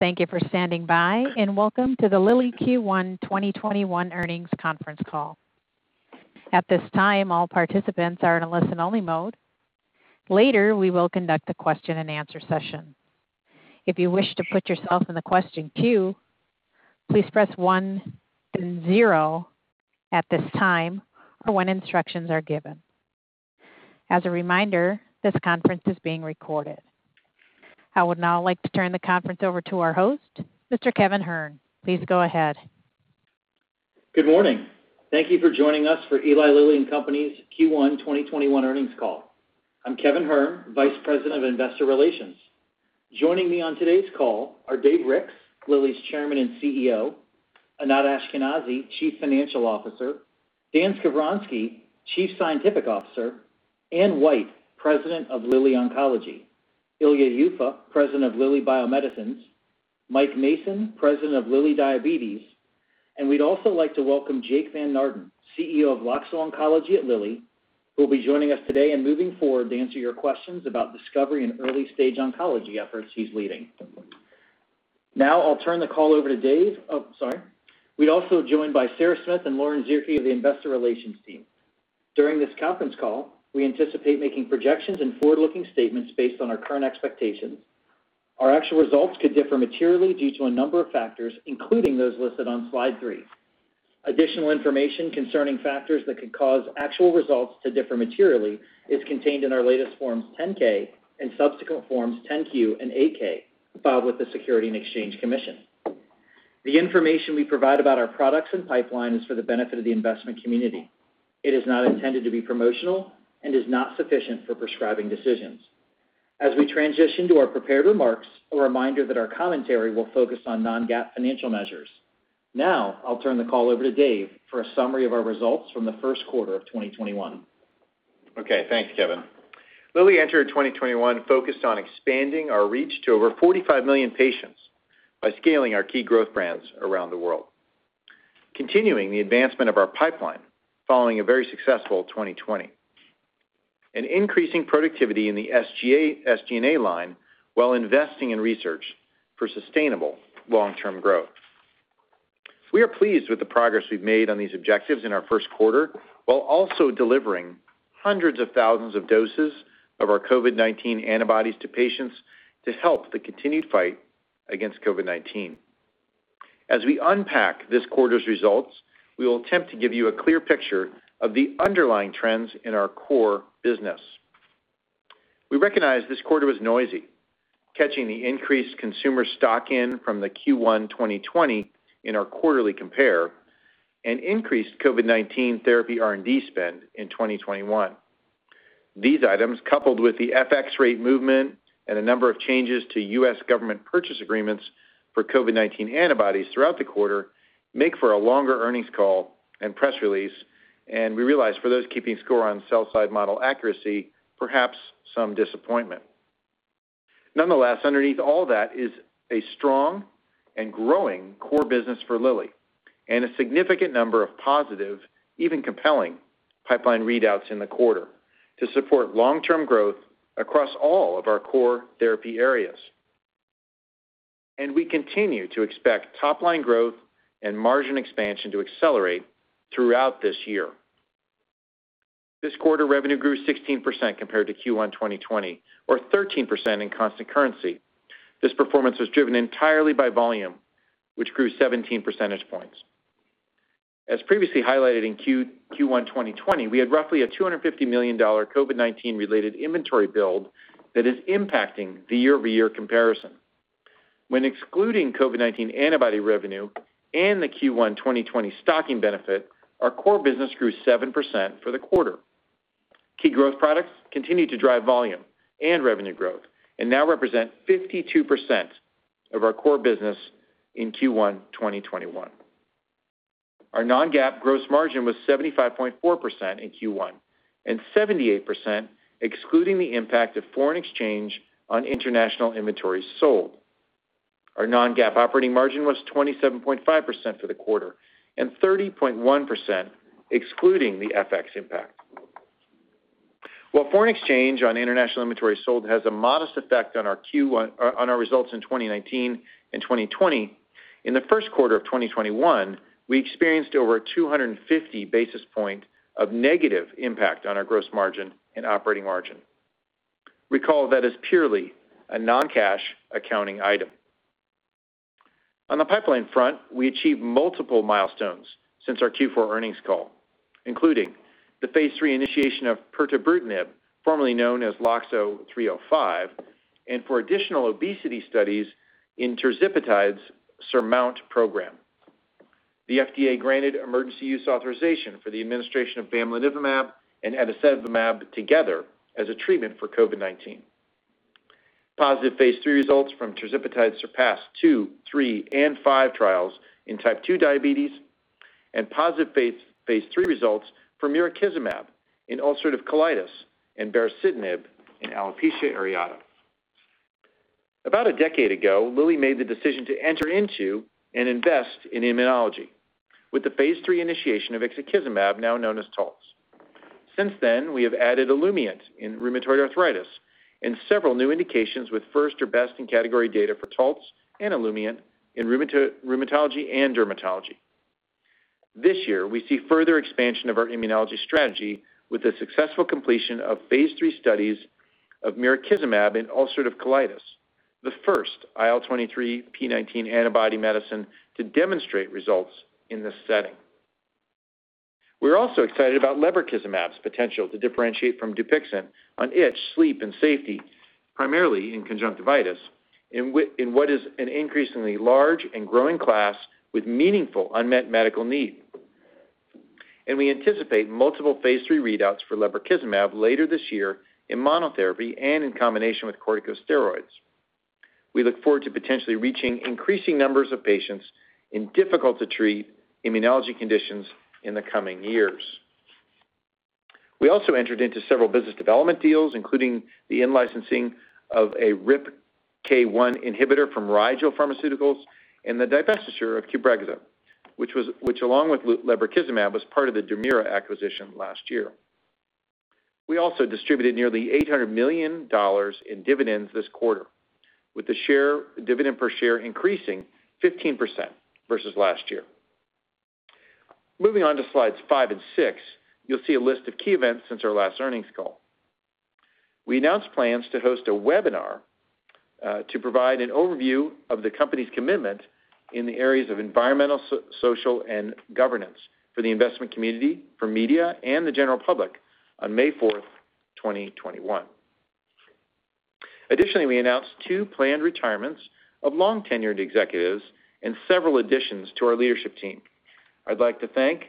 Thank you for standing by, and welcome to the Lilly Q1 2021 Earnings Conference Call. At this time, all participants are in a listen-only mode. Later, we will conduct a question and answer session. If you wish to put yourself in the question queue, please press one, zero at this time or when instructions are given. As a reminder, this conference is being recorded. I would now like to turn the conference over to our host, Mr. Kevin Hern. Please go ahead. Good morning. Thank you for joining us for Eli Lilly and Company's Q1 2021 Earnings Call. I'm Kevin Hern, Vice President, Investor Relations. Joining me on today's call are Dave Ricks, Eli Lilly's ,Chairman and Chief Executive Officer, Anat Ashkenazi, Chief Financial Officer, Dan Skovronsky, Chief Scientific Officer, Anne White, President, Lilly Oncology, Ilya Yuffa, President, Lilly Bio-Medicines, Mike Mason, President, Lilly Diabetes. We'd also like to welcome Jake Van Naarden, Chief Executive Officer, Loxo Oncology at Lilly, who will be joining us today and moving forward to answer your questions about discovery and early-stage oncology efforts he's leading. I'll turn the call over to Dave. Oh, sorry. We're also joined by Sara Smith and Lauren Zierke of the Investor Relations team. During this conference call, we anticipate making projections and forward-looking statements based on our current expectations. Our actual results could differ materially due to a number of factors, including those listed on slide three. Additional information concerning factors that could cause actual results to differ materially is contained in our latest forms 10-K and subsequent forms 10-Q and 8-K, filed with the Securities and Exchange Commission. The information we provide about our products and pipeline is for the benefit of the investment community. It is not intended to be promotional and is not sufficient for prescribing decisions. As we transition to our prepared remarks, a reminder that our commentary will focus on non-GAAP financial measures. Now, I'll turn the call over to Dave for a summary of our results from the first quarter of 2021. Okay. Thanks, Kevin. Lilly entered 2021 focused on expanding our reach to over 45 million patients by scaling our key growth brands around the world, continuing the advancement of our pipeline following a very successful 2020, and increasing productivity in the SG&A line while investing in research for sustainable long-term growth. We are pleased with the progress we've made on these objectives in our first quarter, while also delivering hundreds of thousands of doses of our COVID-19 antibodies to patients to help the continued fight against COVID-19. As we unpack this quarter's results, we will attempt to give you a clear picture of the underlying trends in our core business. We recognize this quarter was noisy, catching the increased consumer stocking from the Q1 2020 in our quarterly compare and increased COVID-19 therapy R&D spend in 2021. These items, coupled with the FX rate movement and a number of changes to U.S. government purchase agreements for COVID-19 antibodies throughout the quarter, make for a longer earnings call and press release, and we realize for those keeping score on sell side model accuracy, perhaps some disappointment. Nonetheless, underneath all that is a strong and growing core business for Lilly and a significant number of positive, even compelling, pipeline readouts in the quarter to support long-term growth across all of our core therapy areas. We continue to expect top-line growth and margin expansion to accelerate throughout this year. This quarter, revenue grew 16% compared to Q1 2020, or 13% in constant currency. This performance was driven entirely by volume, which grew 17 percentage points. As previously highlighted in Q1 2020, we had roughly a $250 million COVID-19 related inventory build that is impacting the year-over-year comparison. When excluding COVID-19 antibody revenue and the Q1 2020 stocking benefit, our core business grew 7% for the quarter. Key growth products continue to drive volume and revenue growth and now represent 52% of our core business in Q1 2021. Our non-GAAP gross margin was 75.4% in Q1 and 78%, excluding the impact of foreign exchange on international inventories sold. Our non-GAAP operating margin was 27.5% for the quarter and 30.1% excluding the FX impact. While foreign exchange on international inventory sold has a modest effect on our results in 2019 and 2020, in the first quarter of 2021, we experienced over 250 basis point of negative impact on our gross margin and operating margin. Recall that as purely a non-cash accounting item. On the pipeline front, we achieved multiple milestones since our Q4 earnings call, including the phase III initiation of pirtobrutinib, formerly known as LOXO-305, and four additional obesity studies in tirzepatide's SURMOUNT program. The FDA granted emergency use authorization for the administration of bamlanivimab and etesevimab together as a treatment for COVID-19. Positive phase III results from tirzepatide SURPASS-2, -3, and -5 trials in type 2 diabetes and positive phase III results for mirikizumab in ulcerative colitis and baricitinib in alopecia areata. About a decade ago, Lilly made the decision to enter into and invest in immunology with the phase III initiation of ixekizumab, now known as Taltz. Since then, we have added Olumiant in rheumatoid arthritis and several new indications with first or best in category data for Taltz and Olumiant in rheumatology and dermatology. This year, we see further expansion of our immunology strategy with the successful completion of phase III studies of mirikizumab in ulcerative colitis, the first IL-23p19 antibody medicine to demonstrate results in this setting. We're also excited about lebrikizumab's potential to differentiate from Dupixent on itch, sleep, and safety, primarily in conjunctivitis, in what is an increasingly large and growing class with meaningful unmet medical need. We anticipate multiple phase III readouts for lebrikizumab later this year in monotherapy and in combination with corticosteroids. We look forward to potentially reaching increasing numbers of patients in difficult-to-treat immunology conditions in the coming years. We also entered into several business development deals, including the in-licensing of a RIPK1 inhibitor from Rigel Pharmaceuticals and the divestiture of Qbrexza, which along with lebrikizumab, was part of the Dermira acquisition last year. We also distributed nearly $800 million in dividends this quarter, with the dividend per share increasing 15% versus last year. Moving on to slides five and six, you'll see a list of key events since our last earnings call. We announced plans to host a webinar to provide an overview of the company's commitment in the areas of environmental, social, and governance for the investment community, for media, and the general public on May 4th, 2021. Additionally, we announced two planned retirements of long-tenured executives and several additions to our leadership team. I'd like to thank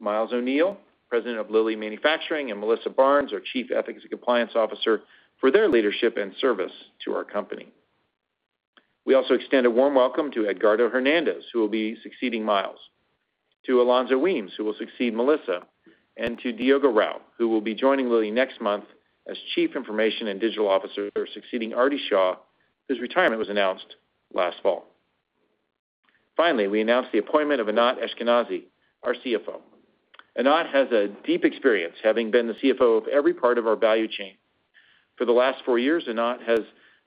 Myles O'Neill, President of Lilly Manufacturing, and Melissa Barnes, our Chief Ethics and Compliance Officer, for their leadership and service to our company. We also extend a warm welcome to Edgardo Hernandez, who will be succeeding Myles, to Alonzo Weems, who will succeed Melissa, and to Diogo Rau, who will be joining Lilly next month as Chief Information and Digital Officer succeeding Aarti Shah, whose retirement was announced last fall. We announced the appointment of Anat Ashkenazi, our CFO. Anat has a deep experience, having been the CFO of every part of our value chain. For the last four years,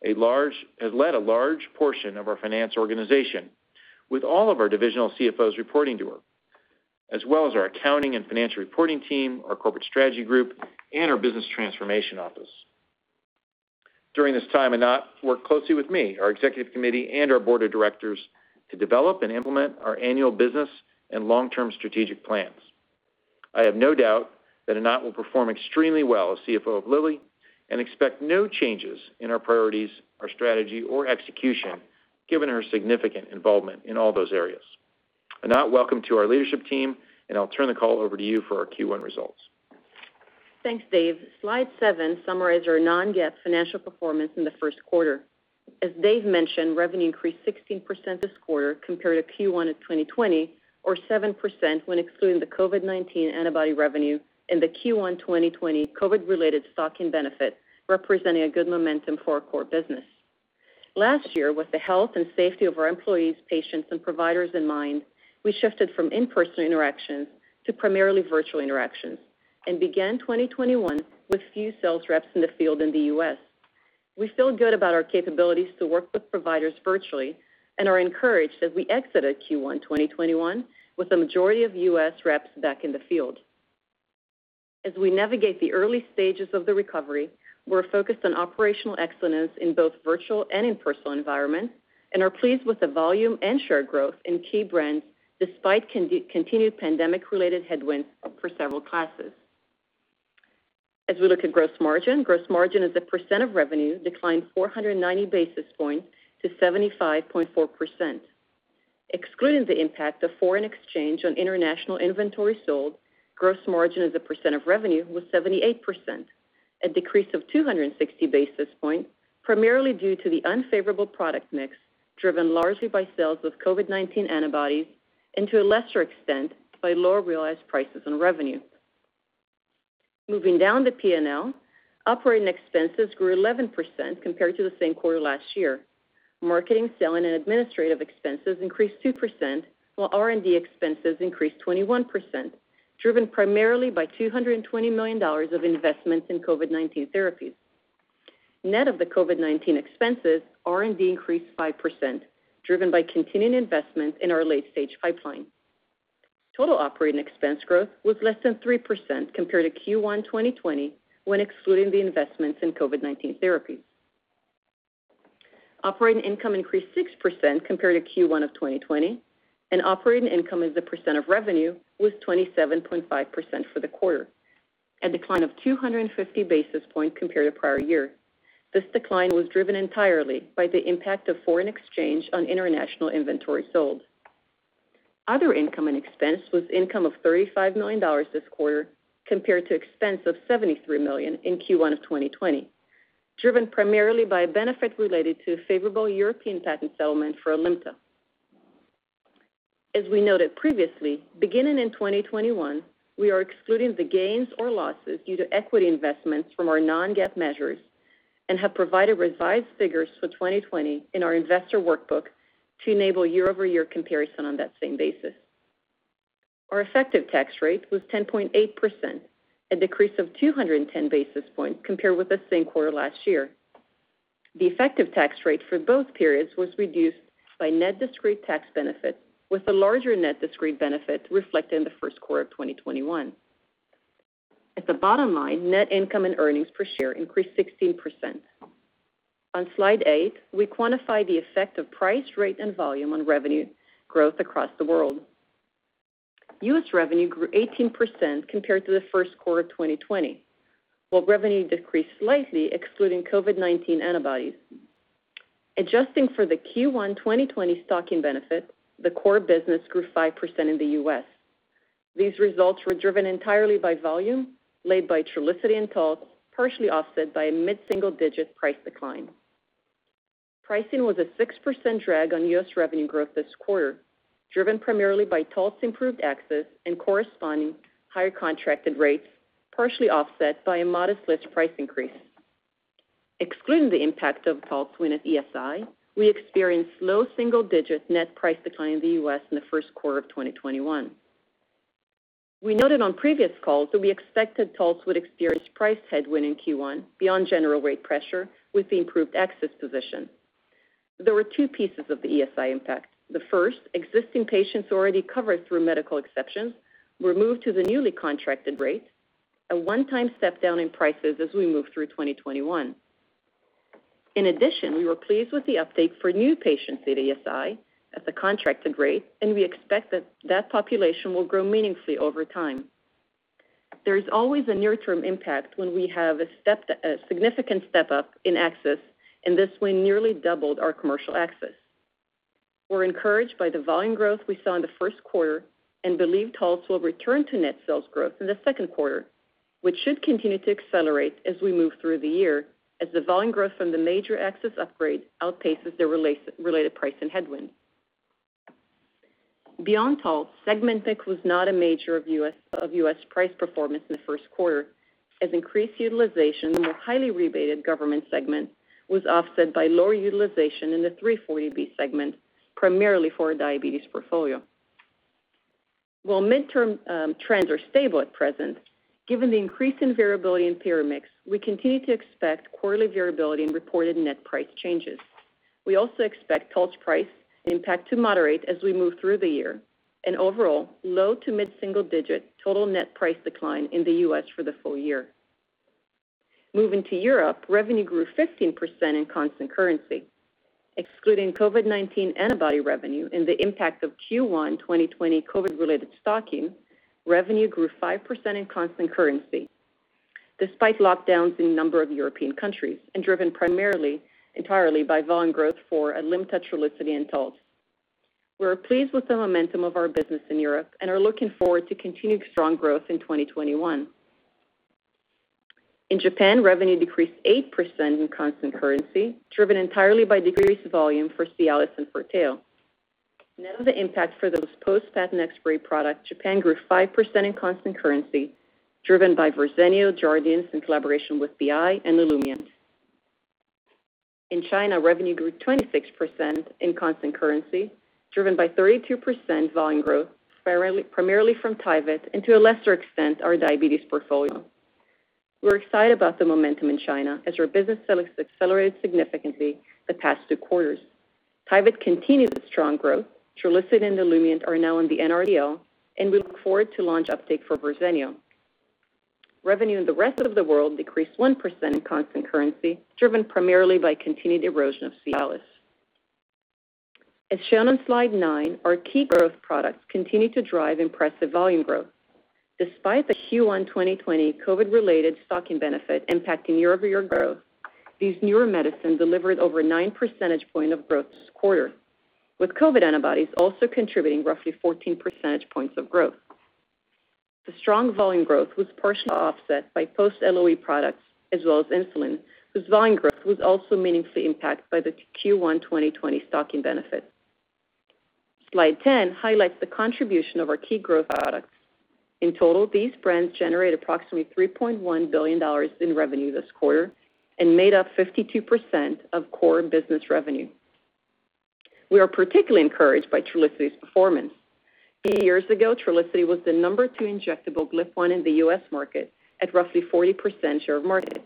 Anat has led a large portion of our finance organization, with all of our divisional CFOs reporting to her, as well as our accounting and financial reporting team, our corporate strategy group, and our business transformation office. During this time, Anat worked closely with me, our executive committee, and our board of directors to develop and implement our annual business and long-term strategic plans. I have no doubt that Anat will perform extremely well as CFO of Lilly and expect no changes in our priorities, our strategy, or execution given her significant involvement in all those areas. Anat, welcome to our leadership team, and I'll turn the call over to you for our Q1 results. Thanks, Dave. Slide seven summarizes our non-GAAP financial performance in the first quarter. As Dave mentioned, revenue increased 16% this quarter compared to Q1 of 2020 or 7% when excluding the COVID-19 antibody revenue and the Q1 2020 COVID-related stocking benefit, representing a good momentum for our core business. Last year, with the health and safety of our employees, patients, and providers in mind, we shifted from in-person interactions to primarily virtual interactions and began 2021 with few sales reps in the field in the U.S.. We feel good about our capabilities to work with providers virtually and are encouraged as we exited Q1 2021 with the majority of U.S. reps back in the field. As we navigate the early stages of the recovery, we're focused on operational excellence in both virtual and in-person environments and are pleased with the volume and share growth in key brands, despite continued pandemic-related headwinds for several classes. As we look at gross margin, gross margin as a percent of revenue declined 490 basis points to 75.4%. Excluding the impact of foreign exchange on international inventory sold, gross margin as a percent of revenue was 78%, a decrease of 260 basis points primarily due to the unfavorable product mix driven largely by sales of COVID-19 antibodies and to a lesser extent, by lower realized prices and revenue. Moving down the P&L, operating expenses grew 11% compared to the same quarter last year. Marketing, selling, and administrative expenses increased 2%, while R&D expenses increased 21%, driven primarily by $220 million of investments in COVID-19 therapies. Net of the COVID-19 expenses, R&D increased 5%, driven by continuing investments in our late-stage pipeline. Total operating expense growth was less than 3% compared to Q1 2020 when excluding the investments in COVID-19 therapies. Operating income increased 6% compared to Q1 of 2020, and operating income as a percent of revenue was 27.5% for the quarter, a decline of 250 basis points compared to prior year. This decline was driven entirely by the impact of foreign exchange on international inventory sold. Other income and expense was income of $35 million this quarter, compared to expense of $73 million in Q1 of 2020, driven primarily by a benefit related to a favorable European patent settlement for Alimta. As we noted previously, beginning in 2021, we are excluding the gains or losses due to equity investments from our non-GAAP measures and have provided revised figures for 2020 in our investor workbook to enable year-over-year comparison on that same basis. Our effective tax rate was 10.8%, a decrease of 210 basis points compared with the same quarter last year. The effective tax rate for both periods was reduced by net discrete tax benefit, with the larger net discrete benefit reflected in the first quarter of 2021. At the bottom line, net income and earnings per share increased 16%. On slide eight, we quantify the effect of price, rate, and volume on revenue growth across the world. U.S. revenue grew 18% compared to the first quarter of 2020, while revenue decreased slightly excluding COVID-19 antibodies. Adjusting for the Q1 2020 stocking benefit, the core business grew 5% in the U.S.. These results were driven entirely by volume, led by Trulicity and Taltz, partially offset by a mid-single-digit price decline. Pricing was a 6% drag on U.S. revenue growth this quarter, driven primarily by Taltz improved access and corresponding higher contracted rates, partially offset by a modest list price increase. Excluding the impact of Taltz within ESI, we experienced low single-digit net price decline in the U.S. in the first quarter of 2021. We noted on previous calls that we expected Taltz would experience price headwind in Q1 beyond general rate pressure with the improved access position. There were two pieces of the ESI impact. The first, existing patients already covered through medical exceptions, were moved to the newly contracted rates, a one-time step-down in prices as we move through 2021. In addition, we were pleased with the update for new patients at ESI at the contracted rate, and we expect that that population will grow meaningfully over time. There is always a near-term impact when we have a significant step-up in access, and this one nearly doubled our commercial access. We're encouraged by the volume growth we saw in the first quarter and believe Taltz will return to net sales growth in the second quarter, which should continue to accelerate as we move through the year as the volume growth from the major access upgrade outpaces the related pricing headwind. Beyond Taltz, segment mix was not a major of U.S. price performance in the first quarter, as increased utilization in the more highly rebated government segment was offset by lower utilization in the 340B segment, primarily for our diabetes portfolio. While midterm trends are stable at present, given the increase in variability in payer mix, we continue to expect quarterly variability in reported net price changes. We also expect Taltz price impact to moderate as we move through the year, an overall low-to-mid single-digit total net price decline in the U.S. for the full year. Moving to Europe, revenue grew 15% in constant currency. Excluding COVID-19 antibody revenue and the impact of Q1 2020 COVID-related stocking, revenue grew 5% in constant currency, despite lockdowns in a number of European countries and driven entirely by volume growth for Alimta, Trulicity, and Taltz. We are pleased with the momentum of our business in Europe and are looking forward to continued strong growth in 2021. In Japan, revenue decreased 8% in constant currency, driven entirely by decreased volume for Cialis and Forteo. Net of the impact for those post-patent expiry products, Japan grew 5% in constant currency, driven by Verzenio, Jardiance in collaboration with BI, and Olumiant. In China, revenue grew 26% in constant currency, driven by 32% volume growth, primarily from TYVYT and to a lesser extent, our diabetes portfolio. We're excited about the momentum in China as our business accelerated significantly the past two quarters. TYVYT continues its strong growth. Trulicity and Olumiant are now in the NRDL, and we look forward to launch uptake for Verzenio. Revenue in the rest of the world decreased 1% in constant currency, driven primarily by continued erosion of Cialis. As shown on slide nine, our key growth products continue to drive impressive volume growth. Despite the Q1 2020 COVID-related stocking benefit impacting year-over-year growth, these newer medicines delivered over nine percentage point of growth this quarter, with COVID antibodies also contributing roughly 14 percentage points of growth. The strong volume growth was partially offset by post-LOE products as well as insulin, whose volume growth was also meaningfully impacted by the Q1 2020 stocking benefit. Slide 10 highlights the contribution of our key growth products. In total, these brands generated approximately $3.1 billion in revenue this quarter and made up 52% of core business revenue. We are particularly encouraged by Trulicity's performance. Eight years ago, Trulicity was the number two injectable GLP-1 in the U.S. market at roughly 40% share of market.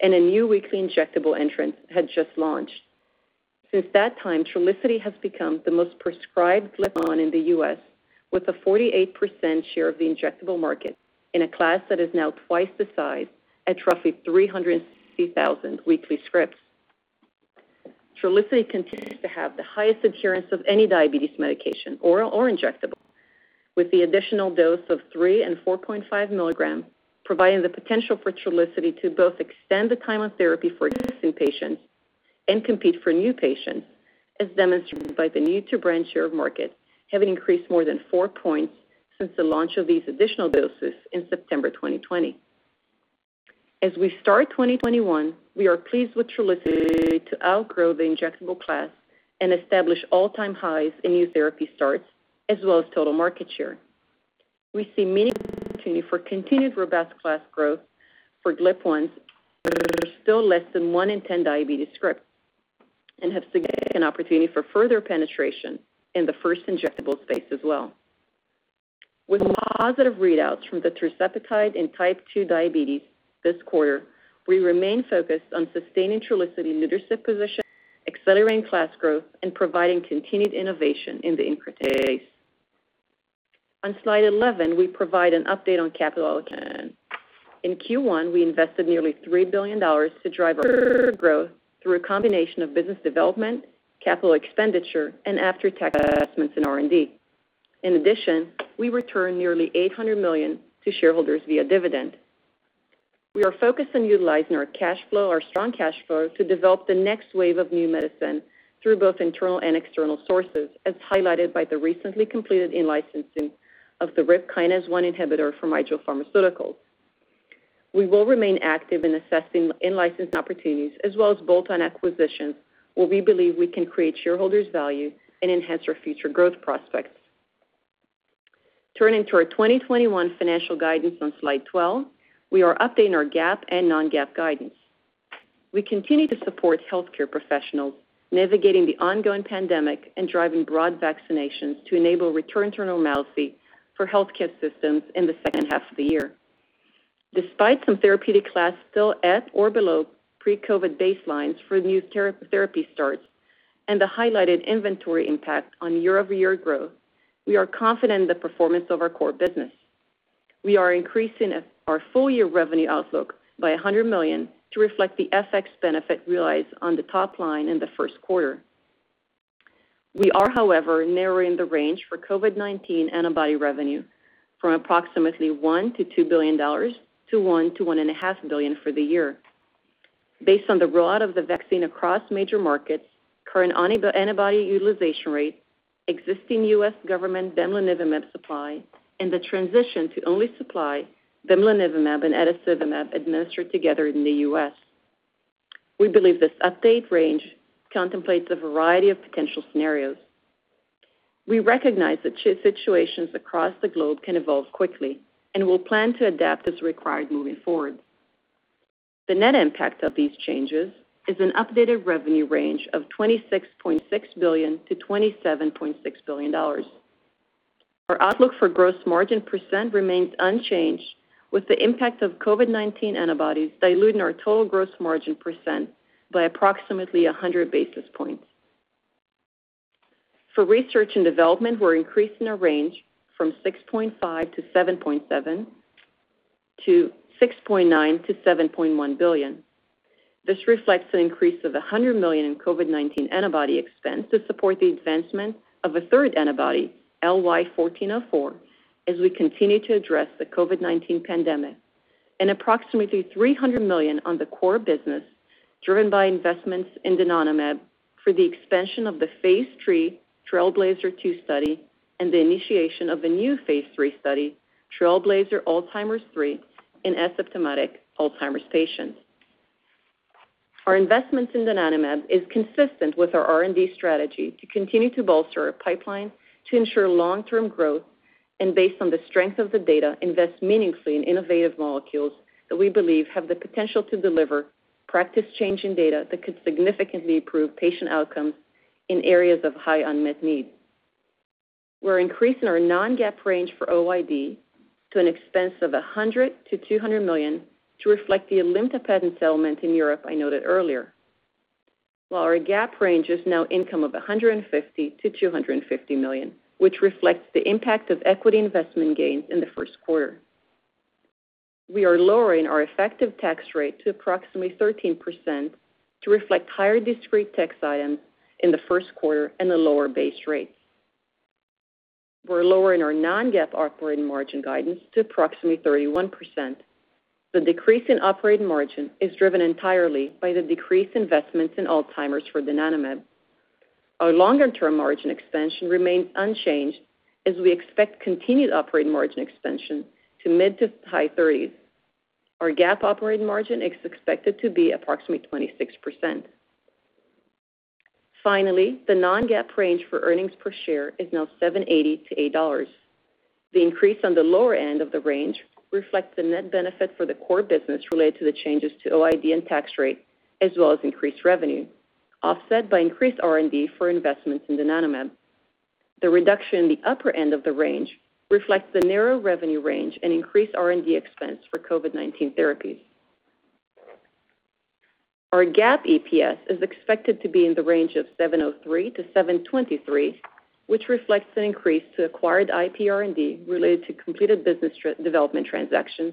A new weekly injectable entrant had just launched. Weekly scripts for the class were approximately 180,000. Since that time, Trulicity has become the most prescribed GLP-1 in the U.S., with a 48% share of the injectable market in a class that is now twice the size at roughly 360,000 weekly scripts. Trulicity continues to have the highest adherence of any diabetes medication, oral or injectable, with the additional dose of three and 4.5 mg providing the potential for Trulicity to both extend the time on therapy for existing patients and compete for new patients, as demonstrated by the new to brand share of market having increased more than four points since the launch of these additional doses in September 2020. As we start 2021, we are pleased with Trulicity to outgrow the injectable class and establish all-time highs in new therapy starts, as well as total market share. We see meaningful opportunity for continued robust class growth for GLP-1s, they're still less than one in 10 diabetes scripts, and have significant opportunity for further penetration in the first injectable space as well. With positive readouts from the tirzepatide in type 2 diabetes this quarter, we remain focused on sustaining Trulicity leadership position, accelerating class growth, and providing continued innovation in the incretin space. On slide 11, we provide an update on capital allocation. In Q1, we invested nearly $3 billion to drive our growth through a combination of business development, capital expenditure, and after-tax investments in R&D. In addition, we returned nearly $800 million to shareholders via dividend. We are focused on utilizing our strong cash flow to develop the next wave of new medicine through both internal and external sources, as highlighted by the recently completed in-licensing of the RIPK1 inhibitor from Rigel Pharmaceuticals. We will remain active in assessing in-licensing opportunities as well as bolt-on acquisitions where we believe we can create shareholders value and enhance our future growth prospects. Turning to our 2021 financial guidance on slide 12, we are updating our GAAP and non-GAAP guidance. We continue to support healthcare professionals navigating the ongoing pandemic and driving broad vaccinations to enable return to normalcy for healthcare systems in the second half of the year. Despite some therapeutic class still at or below pre-COVID baselines for new therapy starts and the highlighted inventory impact on year-over-year growth, we are confident in the performance of our core business. We are increasing our full-year revenue outlook by $100 million to reflect the FX benefit realized on the top line in the first quarter. We are, however, narrowing the range for COVID-19 antibody revenue from approximately $1 billion-$2 billion to $1 billion-$1.5 billion for the year. Based on the rollout of the vaccine across major markets, current antibody utilization rates, existing U.S. government bamlanivimab supply, and the transition to only supply bamlanivimab and etesevimab administered together in the U.S. We believe this updated range contemplates a variety of potential scenarios. We recognize that situations across the globe can evolve quickly and will plan to adapt as required moving forward. The net impact of these changes is an updated revenue range of $26.6 billion-$27.6 billion. Our outlook for gross margin percent remains unchanged, with the impact of COVID-19 antibodies diluting our total gross margin percent by approximately 100 basis points. For research and development, we're increasing our range from $6.5 billion-$7.7 billion to $6.9 billion -$7.1 billion. This reflects an increase of $100 million in COVID-19 antibody expense to support the advancement of a third antibody, LY-CoV1404, as we continue to address the COVID-19 pandemic, and approximately $300 million on the core business, driven by investments in donanemab for the expansion of the phase III TRAILBLAZER-ALZ 2 study and the initiation of a new phase III study, TRAILBLAZER-ALZ 3 in asymptomatic Alzheimer's patients. Our investments in donanemab is consistent with our R&D strategy to continue to bolster our pipeline to ensure long-term growth, and based on the strength of the data, invest meaningfully in innovative molecules that we believe have the potential to deliver practice-changing data that could significantly improve patient outcomes in areas of high unmet need. We're increasing our non-GAAP range for OID to an expense of $100 million-$200 million to reflect the Alimta patent settlement in Europe I noted earlier, while our GAAP range is now income of $150 million-$250 million, which reflects the impact of equity investment gains in the first quarter. We are lowering our effective tax rate to approximately 13% to reflect higher discrete tax items in the first quarter and a lower base rate. We're lowering our non-GAAP operating margin guidance to approximately 31%. The decrease in operating margin is driven entirely by the decreased investments in Alzheimer's for donanemab. Our longer-term margin expansion remains unchanged as we expect continued operating margin expansion to mid to high 30%s. Our GAAP operating margin is expected to be approximately 26%. The non-GAAP range for earnings per share is now $7.80-$8. The increase on the lower end of the range reflects the net benefit for the core business related to the changes to OID and tax rate, as well as increased R&D, offset by increased R&D for investments in donanemab. The reduction in the upper end of the range reflects the narrow revenue range and increased R&D expense for COVID-19 therapies. Our GAAP EPS is expected to be in the range of $7.03-$7.23, which reflects an increase to acquired IP R&D related to completed business development transactions,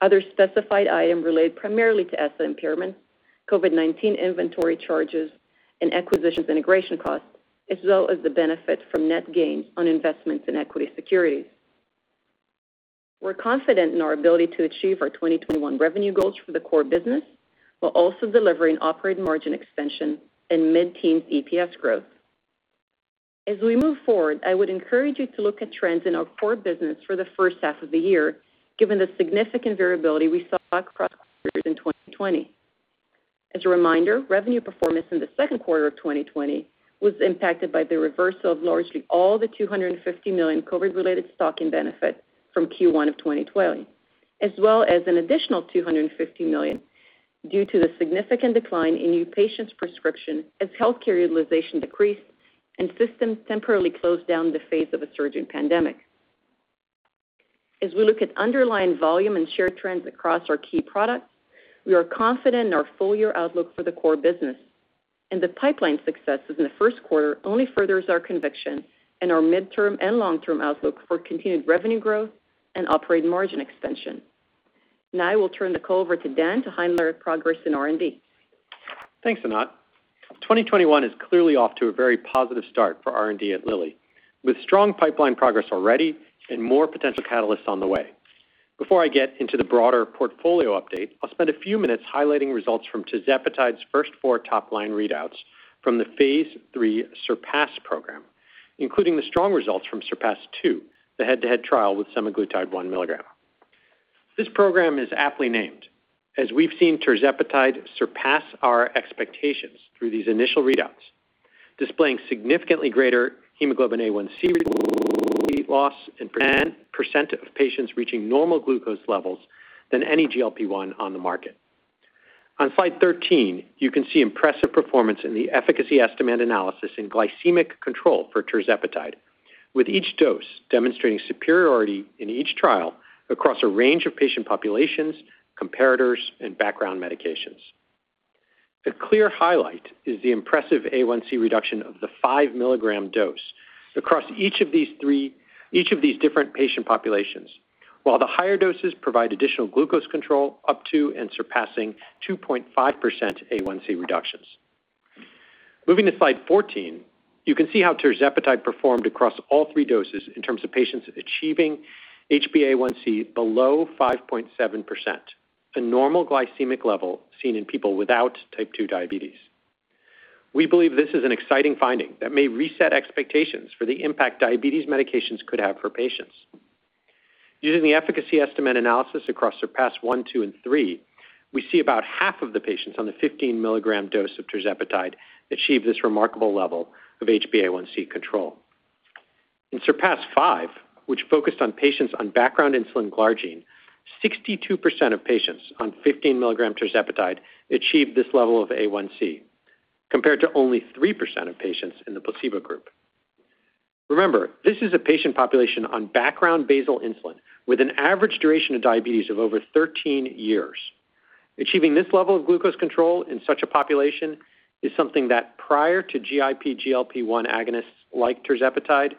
other specified item related primarily to asset impairment, COVID-19 inventory charges, and acquisitions integration costs, as well as the benefit from net gains on investments in equity securities. We're confident in our ability to achieve our 2021 revenue goals for the core business, while also delivering operating margin expansion and mid-teens EPS growth. We move forward, I would encourage you to look at trends in our core business for the first half of the year, given the significant variability we saw across in 2020. A reminder, revenue performance in the second quarter of 2020 was impacted by the reversal of largely all the $250 million COVID-related stocking benefit from Q1 of 2020, as well as an additional $250 million due to the significant decline in new patients prescription as healthcare utilization decreased and systems temporarily closed down in the face of a surging pandemic. As we look at underlying volume and share trends across our key products, we are confident in our full-year outlook for the core business. The pipeline successes in the first quarter only furthers our conviction in our midterm and long-term outlook for continued revenue growth and operating margin expansion. Now I will turn the call over to Dan to highlight progress in R&D. Thanks, Anat. 2021 is clearly off to a very positive start for R&D at Lilly, with strong pipeline progress already and more potential catalysts on the way. Before I get into the broader portfolio update, I'll spend a few minutes highlighting results from tirzepatide's first four top-line readouts from the phase III SURPASS program, including the strong results from SURPASS-2, the head-to-head trial with semaglutide 1 mg. This program is aptly named, as we've seen tirzepatide surpass our expectations through these initial readouts, displaying significantly greater hemoglobin A1c loss and % of patients reaching normal glucose levels than any GLP-1 on the market. On slide 13, you can see impressive performance in the efficacy estimate analysis in glycemic control for tirzepatide, with each dose demonstrating superiority in each trial across a range of patient populations, comparators, and background medications. The clear highlight is the impressive A1c reduction of the 5 mg dose across each of these different patient populations, while the higher doses provide additional glucose control up to and surpassing 2.5% A1c reductions. Moving to slide 14, you can see how tirzepatide performed across all three doses in terms of patients achieving HbA1c below 5.7%, the normal glycemic level seen in people without type 2 diabetes. We believe this is an exciting finding that may reset expectations for the impact diabetes medications could have for patients. Using the efficacy estimate analysis across SURPASS-1, 2, and 3, we see about half of the patients on the 15 mg dose of tirzepatide achieve this remarkable level of HbA1c control. In SURPASS-5, which focused on patients on background insulin glargine, 62% of patients on 15 mg tirzepatide achieved this level of A1c, compared to only 3% of patients in the placebo group. Remember, this is a patient population on background basal insulin with an average duration of diabetes of over 13 years. Achieving this level of glucose control in such a population is something that, prior to GIP/GLP-1 agonists like tirzepatide,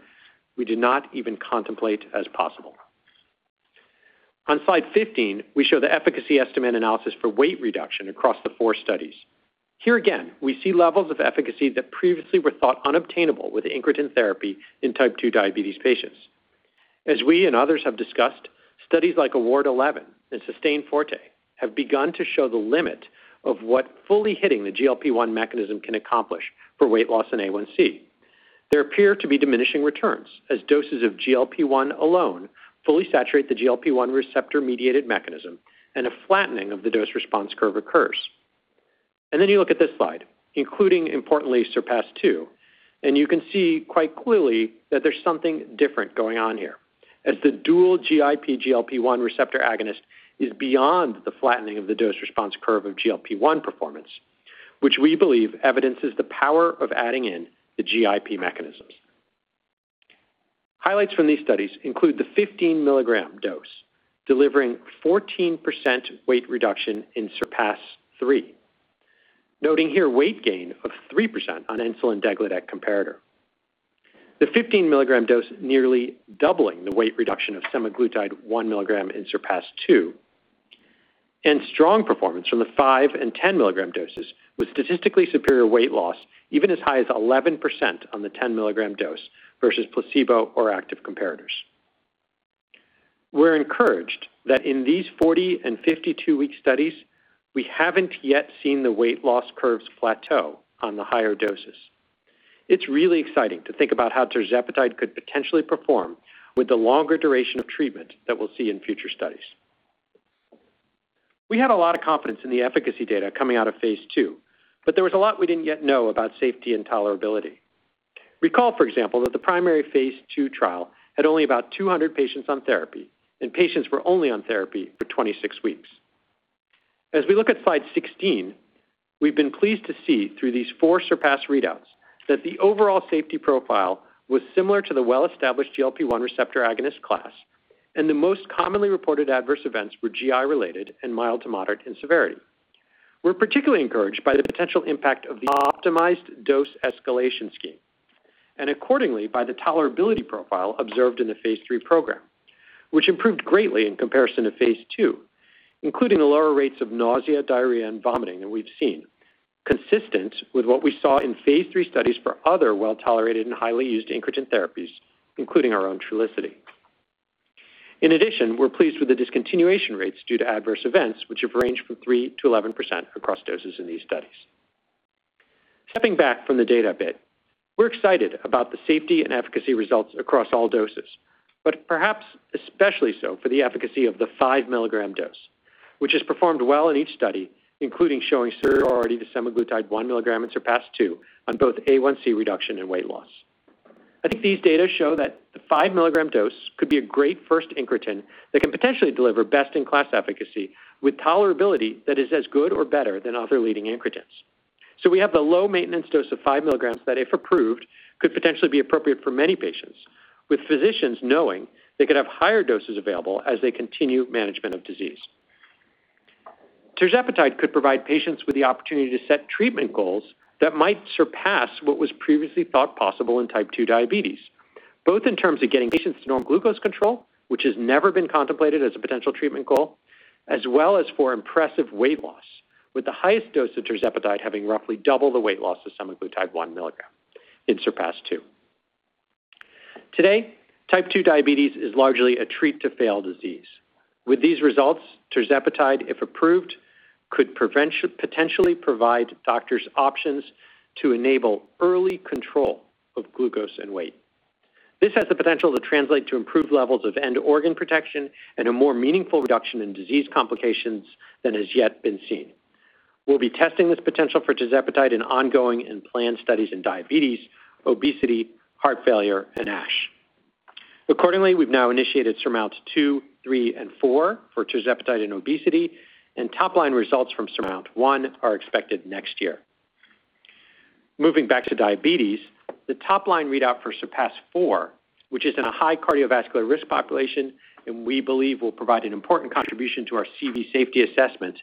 we did not even contemplate as possible. On slide 15, we show the efficacy estimate analysis for weight reduction across the four studies. Here again, we see levels of efficacy that previously were thought unobtainable with incretin therapy in type 2 diabetes patients. As we and others have discussed, studies like AWARD-11 and SUSTAIN FORTE have begun to show the limit of what fully hitting the GLP-1 mechanism can accomplish for weight loss and A1c. There appear to be diminishing returns as doses of GLP-1 alone fully saturate the GLP-1 receptor-mediated mechanism and a flattening of the dose response curve occurs. You look at this slide, including importantly SURPASS-2, and you can see quite clearly that there's something different going on here, as the dual GIP-GLP-1 receptor agonist is beyond the flattening of the dose response curve of GLP-1 performance, which we believe evidences the power of adding in the GIP mechanisms. Highlights from these studies include the 15 mg dose delivering 14% weight reduction in SURPASS-3, noting here weight gain of 3% on insulin degludec comparator. The 15 mg dose nearly doubling the weight reduction of semaglutide 1 mg in SURPASS-2, and strong performance from the 5 and 10 mg doses, with statistically superior weight loss even as high as 11% on the 10 mg dose versus placebo or active comparators. We're encouraged that in these 40 and 52-week studies, we haven't yet seen the weight loss curves plateau on the higher doses. It's really exciting to think about how tirzepatide could potentially perform with the longer duration of treatment that we'll see in future studies. We had a lot of confidence in the efficacy data coming out of phase II, but there was a lot we didn't yet know about safety and tolerability. Recall, for example, that the primary phase II trial had only about 200 patients on therapy, and patients were only on therapy for 26 weeks. As we look at slide 16, we've been pleased to see through these four SURPASS readouts that the overall safety profile was similar to the well-established GLP-1 receptor agonist class, and the most commonly reported adverse events were GI-related and mild to moderate in severity. We're particularly encouraged by the potential impact of the optimized dose escalation scheme, and accordingly, by the tolerability profile observed in the phase III program, which improved greatly in comparison to phase II, including the lower rates of nausea, diarrhea, and vomiting than we've seen, consistent with what we saw in phase III studies for other well-tolerated and highly used incretin therapies, including our own Trulicity. In addition, we're pleased with the discontinuation rates due to adverse events, which have ranged from 3% to 11% across doses in these studies. Stepping back from the data a bit, we're excited about the safety and efficacy results across all doses, but perhaps especially so for the efficacy of the 5 mg dose, which has performed well in each study, including showing superiority to semaglutide 1 mg in SURPASS-2 on both A1c reduction and weight loss. I think these data show that the 5 mg dose could be a great first incretin that can potentially deliver best-in-class efficacy with tolerability that is as good or better than other leading incretins. We have the low maintenance dose of 5 mg that, if approved, could potentially be appropriate for many patients, with physicians knowing they could have higher doses available as they continue management of disease. Tirzepatide could provide patients with the opportunity to set treatment goals that might surpass what was previously thought possible in type 2 diabetes, both in terms of getting patients to normal glucose control, which has never been contemplated as a potential treatment goal, as well as for impressive weight loss, with the highest dose of tirzepatide having roughly double the weight loss of semaglutide 1 mg in SURPASS-2. Today, type 2 diabetes is largely a treat to fail disease. With these results, tirzepatide, if approved, could potentially provide doctors options to enable early control of glucose and weight. This has the potential to translate to improved levels of end organ protection and a more meaningful reduction in disease complications than has yet been seen. We'll be testing this potential for tirzepatide in ongoing and planned studies in diabetes, obesity, heart failure, and NASH. We've now initiated SURMOUNT 2, 3, and 4 for tirzepatide in obesity, and top-line results from SURMOUNT 1 are expected next year. Moving back to diabetes, the top-line readout for SURPASS 4, which is in a high cardiovascular risk population and we believe will provide an important contribution to our CV safety assessment,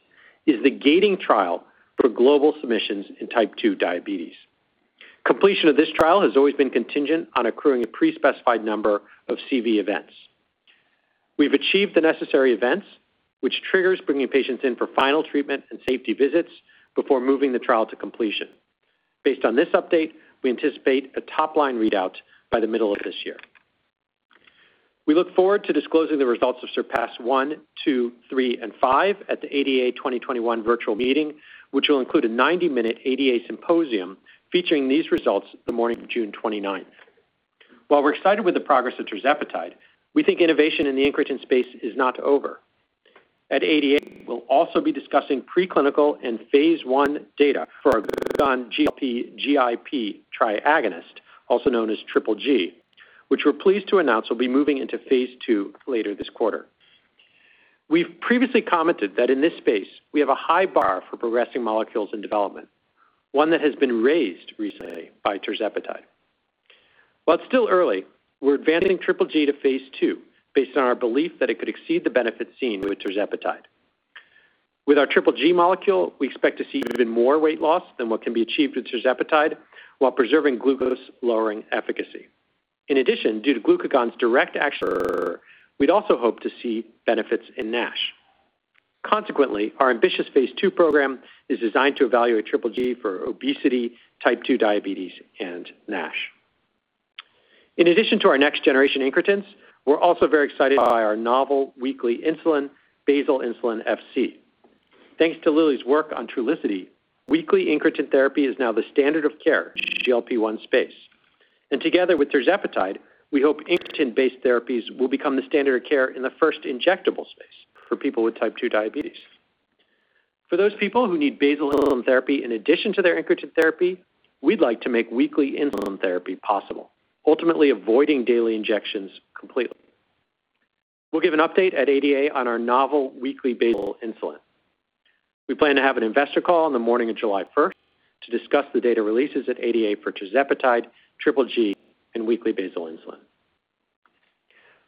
is the gating trial for global submissions in type 2 diabetes. Completion of this trial has always been contingent on accruing a pre-specified number of CV events. We've achieved the necessary events, which trigger bringing patients in for final treatment and safety visits before moving the trial to completion. Based on this update, we anticipate a top-line readout by the middle of this year. We look forward to disclosing the results of SURPASS 1, 2, 3, and 5 at the ADA 2021 virtual meeting, which will include a 90-minute ADA symposium featuring these results the morning of June 29th. While we're excited with the progress of tirzepatide, we think innovation in the incretin space is not over. At ADA, we'll also be discussing preclinical and phase I data for our glucagon GLP-GIP triagonist, also known as triple G, which we're pleased to announce will be moving into phase II later this quarter. We've previously commented that in this space, we have a high bar for progressing molecules in development, one that has been raised recently by tirzepatide. While it's still early, we're advancing triple G to phase II based on our belief that it could exceed the benefits seen with tirzepatide. With our triple G molecule, we expect to see even more weight loss than what can be achieved with tirzepatide while preserving glucose-lowering efficacy. Due to glucagon's direct action, we'd also hope to see benefits in NASH. Our ambitious phase II program is designed to evaluate triple G for obesity, type 2 diabetes, and NASH. To our next generation incretins, we're also very excited by our novel weekly insulin, basal insulin Fc. Thanks to Lilly's work on Trulicity, weekly incretin therapy is now the standard of care in the GLP-1 space. Together with tirzepatide, we hope incretin-based therapies will become the standard of care in the first injectable space for people with type 2 diabetes. For those people who need basal insulin therapy in addition to their incretin therapy, we'd like to make weekly insulin therapy possible, ultimately avoiding daily injections completely. We'll give an update at ADA on our novel weekly basal insulin. We plan to have an investor call on the morning of July 1st to discuss the data releases at ADA for tirzepatide, triple G, and weekly basal insulin.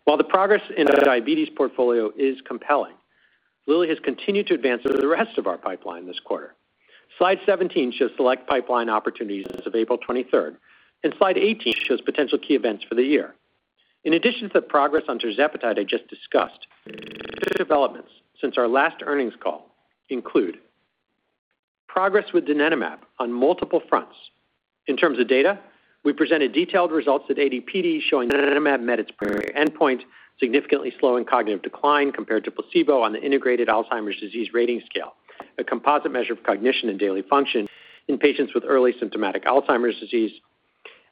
While the progress in our diabetes portfolio is compelling, Lilly has continued to advance the rest of our pipeline this quarter. Slide 17 shows select pipeline opportunities as of April 23rd, and Slide 18 shows potential key events for the year. In addition to the progress on tirzepatide I just discussed, developments since our last earnings call include progress with donanemab on multiple fronts. In terms of data, we presented detailed results at ADPD showing donanemab met its primary endpoint, significantly slowing cognitive decline compared to placebo on the integrated Alzheimer's Disease Rating Scale, a composite measure of cognition and daily function in patients with early symptomatic Alzheimer's disease,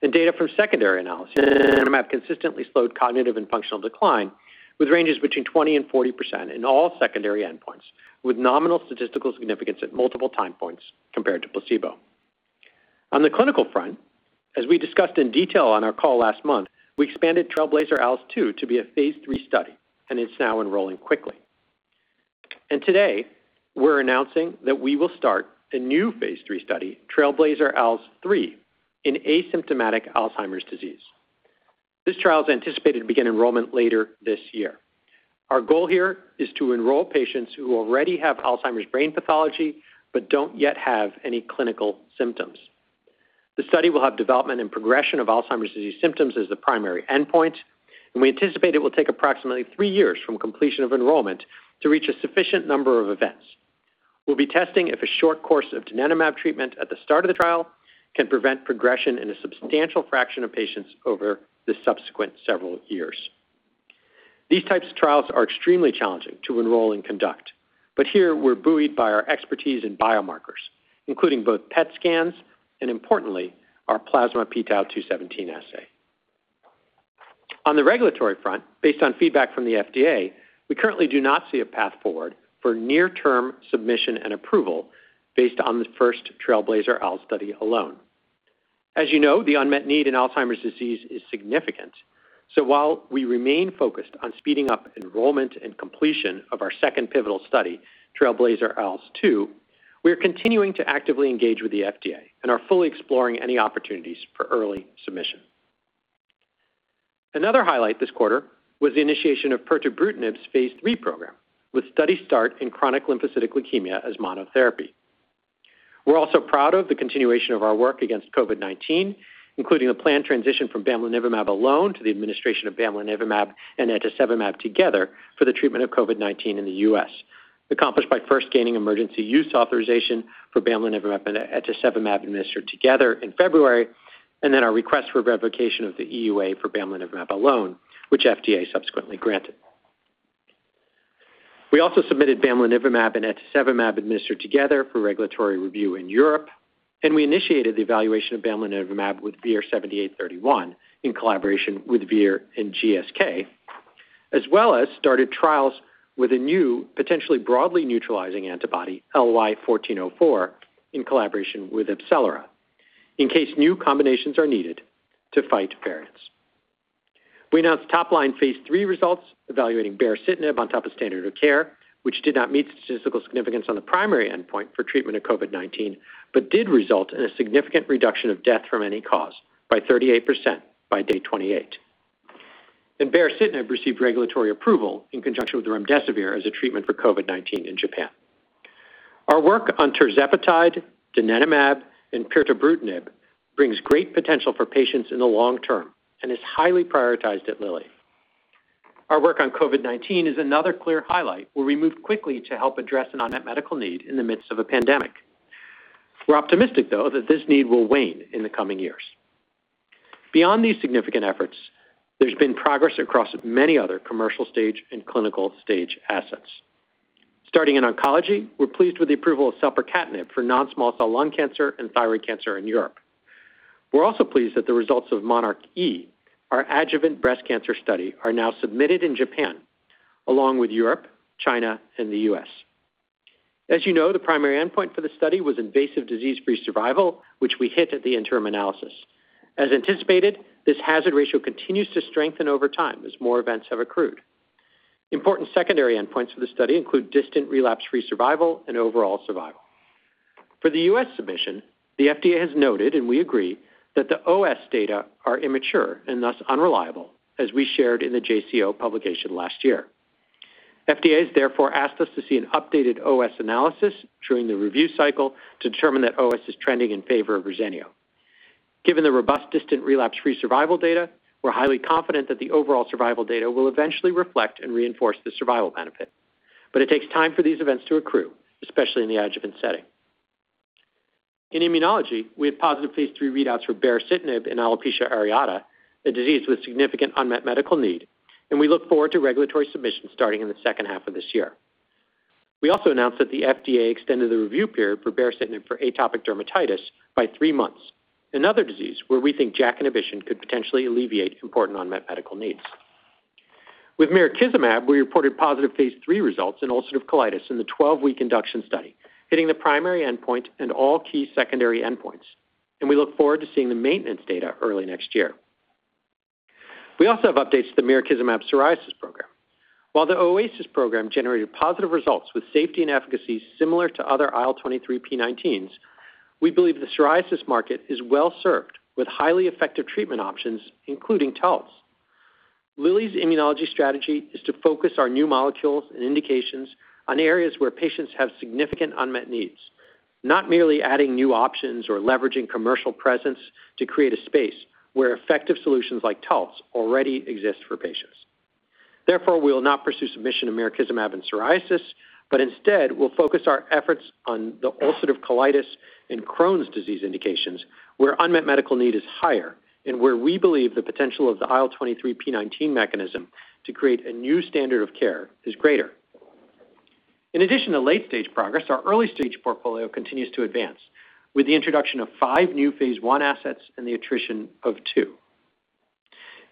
and data from secondary analysis, donanemab consistently slowed cognitive and functional decline with ranges between 20% and 40% in all secondary endpoints, with nominal statistical significance at multiple time points compared to placebo. On the clinical front, as we discussed in detail on our call last month, we expanded TRAILBLAZER-ALZ 2 to be a phase III study. It's now enrolling quickly. Today, we're announcing that we will start a new phase III study, TRAILBLAZER-ALZ 3, in asymptomatic Alzheimer's disease. This trial is anticipated to begin enrollment later this year. Our goal here is to enroll patients who already have Alzheimer's brain pathology but don't yet have any clinical symptoms. The study will have development and progression of Alzheimer's disease symptoms as the primary endpoint, and we anticipate it will take approximately three years from completion of enrollment to reach a sufficient number of events. We'll be testing if a short course of donanemab treatment at the start of the trial can prevent progression in a substantial fraction of patients over the subsequent several years. These types of trials are extremely challenging to enroll and conduct, but here we're buoyed by our expertise in biomarkers, including both PET scans and importantly, our plasma p-tau217 assay. On the regulatory front, based on feedback from the FDA, we currently do not see a path forward for near-term submission and approval based on the first TRAILBLAZER-ALZ study alone. As you know, the unmet need in Alzheimer's disease is significant, so while we remain focused on speeding up enrollment and completion of our second pivotal study, TRAILBLAZER-ALZ 2, we are continuing to actively engage with the FDA and are fully exploring any opportunities for early submission. Another highlight this quarter was the initiation of pirtobrutinib's phase III program, with study start in chronic lymphocytic leukemia as monotherapy. We're also proud of the continuation of our work against COVID-19, including a planned transition from bamlanivimab alone to the administration of bamlanivimab and etesevimab together for the treatment of COVID-19 in the U.S., accomplished by first gaining emergency use authorization for bamlanivimab and etesevimab administered together in February, and then our request for revocation of the EUA for bamlanivimab alone, which FDA subsequently granted. We also submitted bamlanivimab and etesevimab administered together for regulatory review in Europe. We initiated the evaluation of bamlanivimab with VIR-7831 in collaboration with VIR and GSK, as well as started trials with a new, potentially broadly neutralizing antibody, LY-1404, in collaboration with AbCellera, in case new combinations are needed to fight variants. We announced top-line phase III results evaluating baricitinib on top of standard of care, which did not meet statistical significance on the primary endpoint for treatment of COVID-19, but did result in a significant reduction of death from any cause by 38% by day 28. Baricitinib received regulatory approval in conjunction with remdesivir as a treatment for COVID-19 in Japan. Our work on tirzepatide, donanemab, and pirtobrutinib brings great potential for patients in the long term and is highly prioritized at Lilly. Our work on COVID-19 is another clear highlight where we moved quickly to help address an unmet medical need in the midst of a pandemic. We're optimistic, though, that this need will wane in the coming years. Beyond these significant efforts, there's been progress across many other commercial-stage and clinical-stage assets. Starting in oncology, we're pleased with the approval of selpercatinib for non-small cell lung cancer and thyroid cancer in Europe. We're also pleased that the results of monarchE, our adjuvant breast cancer study, are now submitted in Japan, along with Europe, China, and the U.S. As you know, the primary endpoint for the study was invasive disease-free survival, which we hit at the interim analysis. As anticipated, this hazard ratio continues to strengthen over time as more events have accrued. Important secondary endpoints for the study include distant relapse-free survival and overall survival. For the U.S. submission, the FDA has noted, and we agree, that the OS data are immature and thus unreliable, as we shared in the JCO publication last year. FDA has therefore asked us to see an updated OS analysis during the review cycle to determine that OS is trending in favor of Verzenio. Given the robust distant relapse-free survival data, we're highly confident that the overall survival data will eventually reflect and reinforce the survival benefit. It takes time for these events to accrue, especially in the adjuvant setting. In immunology, we had positive phase III readouts for baricitinib in alopecia areata, a disease with significant unmet medical need, and we look forward to regulatory submissions starting in the second half of this year. We also announced that the FDA extended the review period for baricitinib for atopic dermatitis by three months, another disease where we think JAK inhibition could potentially alleviate important unmet medical needs. With mirikizumab, we reported positive phase III results in ulcerative colitis in the 12-week induction study, hitting the primary endpoint and all key secondary endpoints, and we look forward to seeing the maintenance data early next year. We also have updates to the mirikizumab psoriasis program. While the OASIS program generated positive results with safety and efficacy similar to other IL-23p19s, we believe the psoriasis market is well-served with highly effective treatment options, including Taltz. Lilly's immunology strategy is to focus our new molecules and indications on areas where patients have significant unmet needs, not merely adding new options or leveraging commercial presence to create a space where effective solutions like Taltz already exist for patients. We will not pursue submission of mirikizumab in psoriasis, but instead, we'll focus our efforts on the ulcerative colitis and Crohn's disease indications, where unmet medical need is higher and where we believe the potential of the IL-23p19 mechanism to create a new standard of care is greater. In addition to late-stage progress, our early-stage portfolio continues to advance, with the introduction of five new phase I assets and the attrition of two.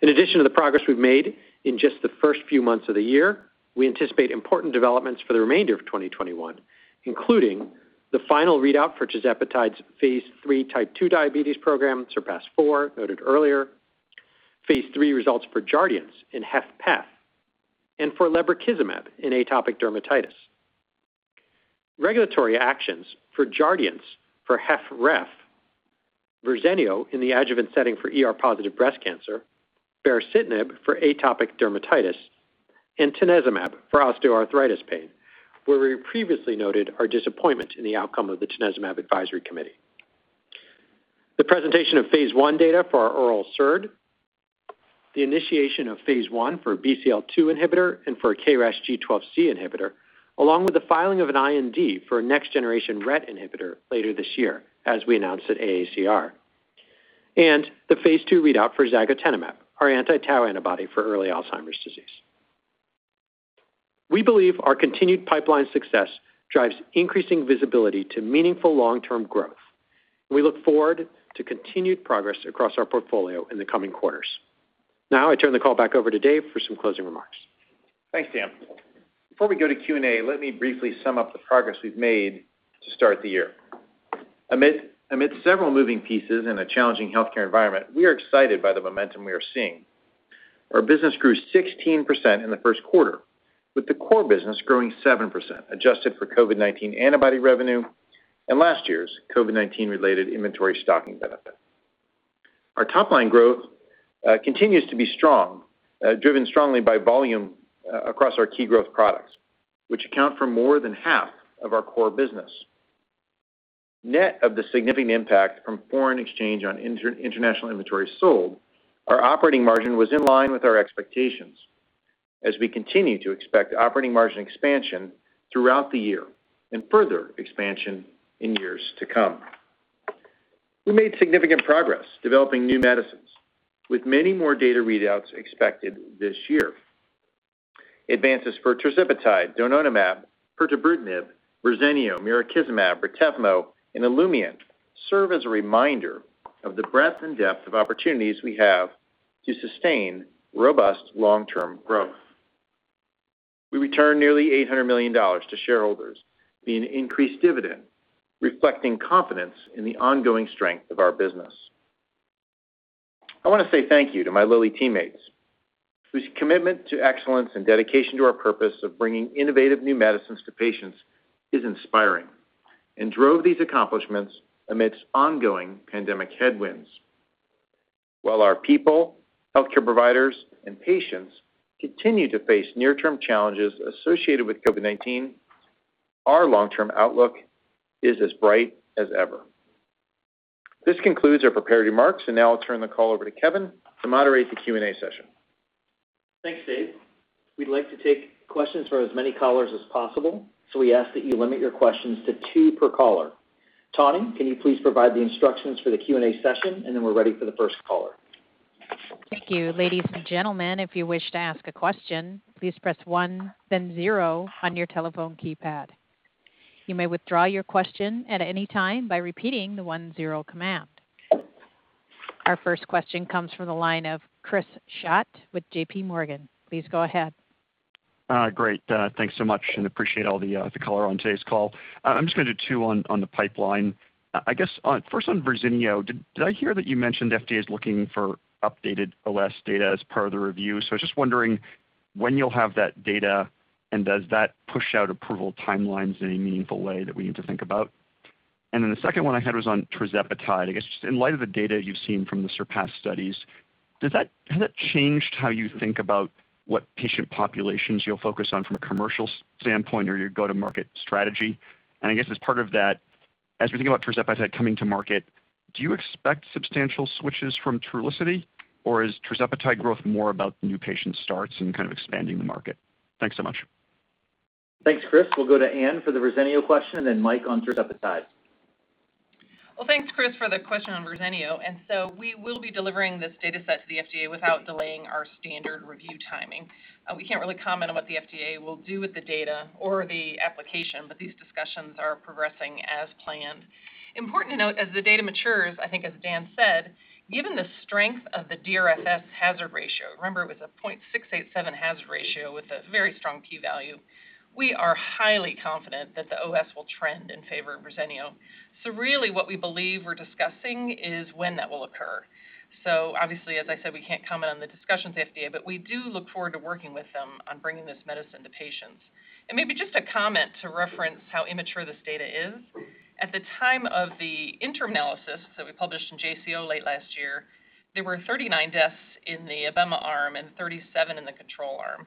In addition to the progress we've made in just the first few months of the year, we anticipate important developments for the remainder of 2021, including the final readout for tirzepatide's phase III type 2 diabetes program, SURPASS-4, noted earlier, phase III results for JARDIANCE in HFpEF, and for lebrikizumab in atopic dermatitis, regulatory actions for JARDIANCE for HFrEF, Verzenio in the adjuvant setting for ER-positive breast cancer, baricitinib for atopic dermatitis, and tanezumab for osteoarthritis pain, where we previously noted our disappointment in the outcome of the tanezumab advisory committee. The presentation of phase I data for our oral SERD, the initiation of phase I for BCL-2 inhibitor and for a KRAS G12C inhibitor, along with the filing of an IND for a next-generation RET inhibitor later this year, as we announced at AACR. The phase II readout for donanemab, our anti-tau antibody for early Alzheimer's disease. We believe our continued pipeline success drives increasing visibility to meaningful long-term growth. We look forward to continued progress across our portfolio in the coming quarters. Now I turn the call back over to Dave for some closing remarks. Thanks, Dan. Before we go to Q&A, let me briefly sum up the progress we've made to start the year. Amid several moving pieces in a challenging healthcare environment, we are excited by the momentum we are seeing. Our business grew 16% in the first quarter, with the core business growing 7%, adjusted for COVID-19 antibody revenue and last year's COVID-19-related inventory stocking benefit. Our top-line growth continues to be strong, driven strongly by volume across our key growth products, which account for more than half of our core business. Net of the significant impact from foreign exchange on international inventory sold, our operating margin was in line with our expectations as we continue to expect operating margin expansion throughout the year and further expansion in years to come. We made significant progress developing new medicines, with many more data readouts expected this year. Advances for tirzepatide, donanemab, pirtobrutinib, Verzenio, mirikizumab, Retevmo, and Olumiant serve as a reminder of the breadth and depth of opportunities we have to sustain robust long-term growth. We returned nearly $800 million to shareholders via an increased dividend, reflecting confidence in the ongoing strength of our business. I want to say thank you to my Lilly teammates, whose commitment to excellence and dedication to our purpose of bringing innovative new medicines to patients is inspiring, and drove these accomplishments amidst ongoing pandemic headwinds. While our people, healthcare providers, and patients continue to face near-term challenges associated with COVID-19, our long-term outlook is as bright as ever. This concludes our prepared remarks. Now I'll turn the call over to Kevin to moderate the Q&A session. Thanks, Dave. We'd like to take questions from as many callers as possible. We ask that you limit your questions to two per caller. Tawny, can you please provide the instructions for the Q&A session? We're ready for the first caller. Thank you. Ladies and Gentlemen, if you wish to ask a question, please press one, then zero on your telephone keypad. You may withdraw your question at any time by repeating the one, zero command. Our first question comes from the line of Chris Schott with JPMorgan. Please go ahead. Great. Thanks so much. Appreciate all the color on today's call. I'm just going to do two on the pipeline. I guess first on Verzenio, did I hear that you mentioned FDA is looking for updated LS data as part of the review? I was just wondering when you'll have that data. Does that push out approval timelines in a meaningful way that we need to think about? The second one I had was on tirzepatide. I guess just in light of the data you've seen from the SURPASS studies, has that changed how you think about what patient populations you'll focus on from a commercial standpoint or your go-to-market strategy? I guess as part of that, as we think about tirzepatide coming to market, do you expect substantial switches from Trulicity, or is tirzepatide growth more about new patient starts and kind of expanding the market? Thanks so much. Thanks, Chris. We'll go to Anne for the Verzenio question and then Mike on tirzepatide. Well, thanks, Chris, for the question on Verzenio. We will be delivering this data set to the FDA without delaying our standard review timing. We can't really comment on what the FDA will do with the data or the application, but these discussions are progressing as planned. Important to note, as the data matures, I think as Dan said, given the strength of the DRFS hazard ratio, remember it was a 0.687 hazard ratio with a very strong P value, we are highly confident that the OS will trend in favor of Verzenio. Really what we believe we're discussing is when that will occur. Obviously, as I said, we can't comment on the discussions with FDA, but we do look forward to working with them on bringing this medicine to patients. Maybe just a comment to reference how immature this data is. At the time of the interim analysis that we published in JCO late last year, there were 39 deaths in the abemaciclib arm and 37 in the control arm.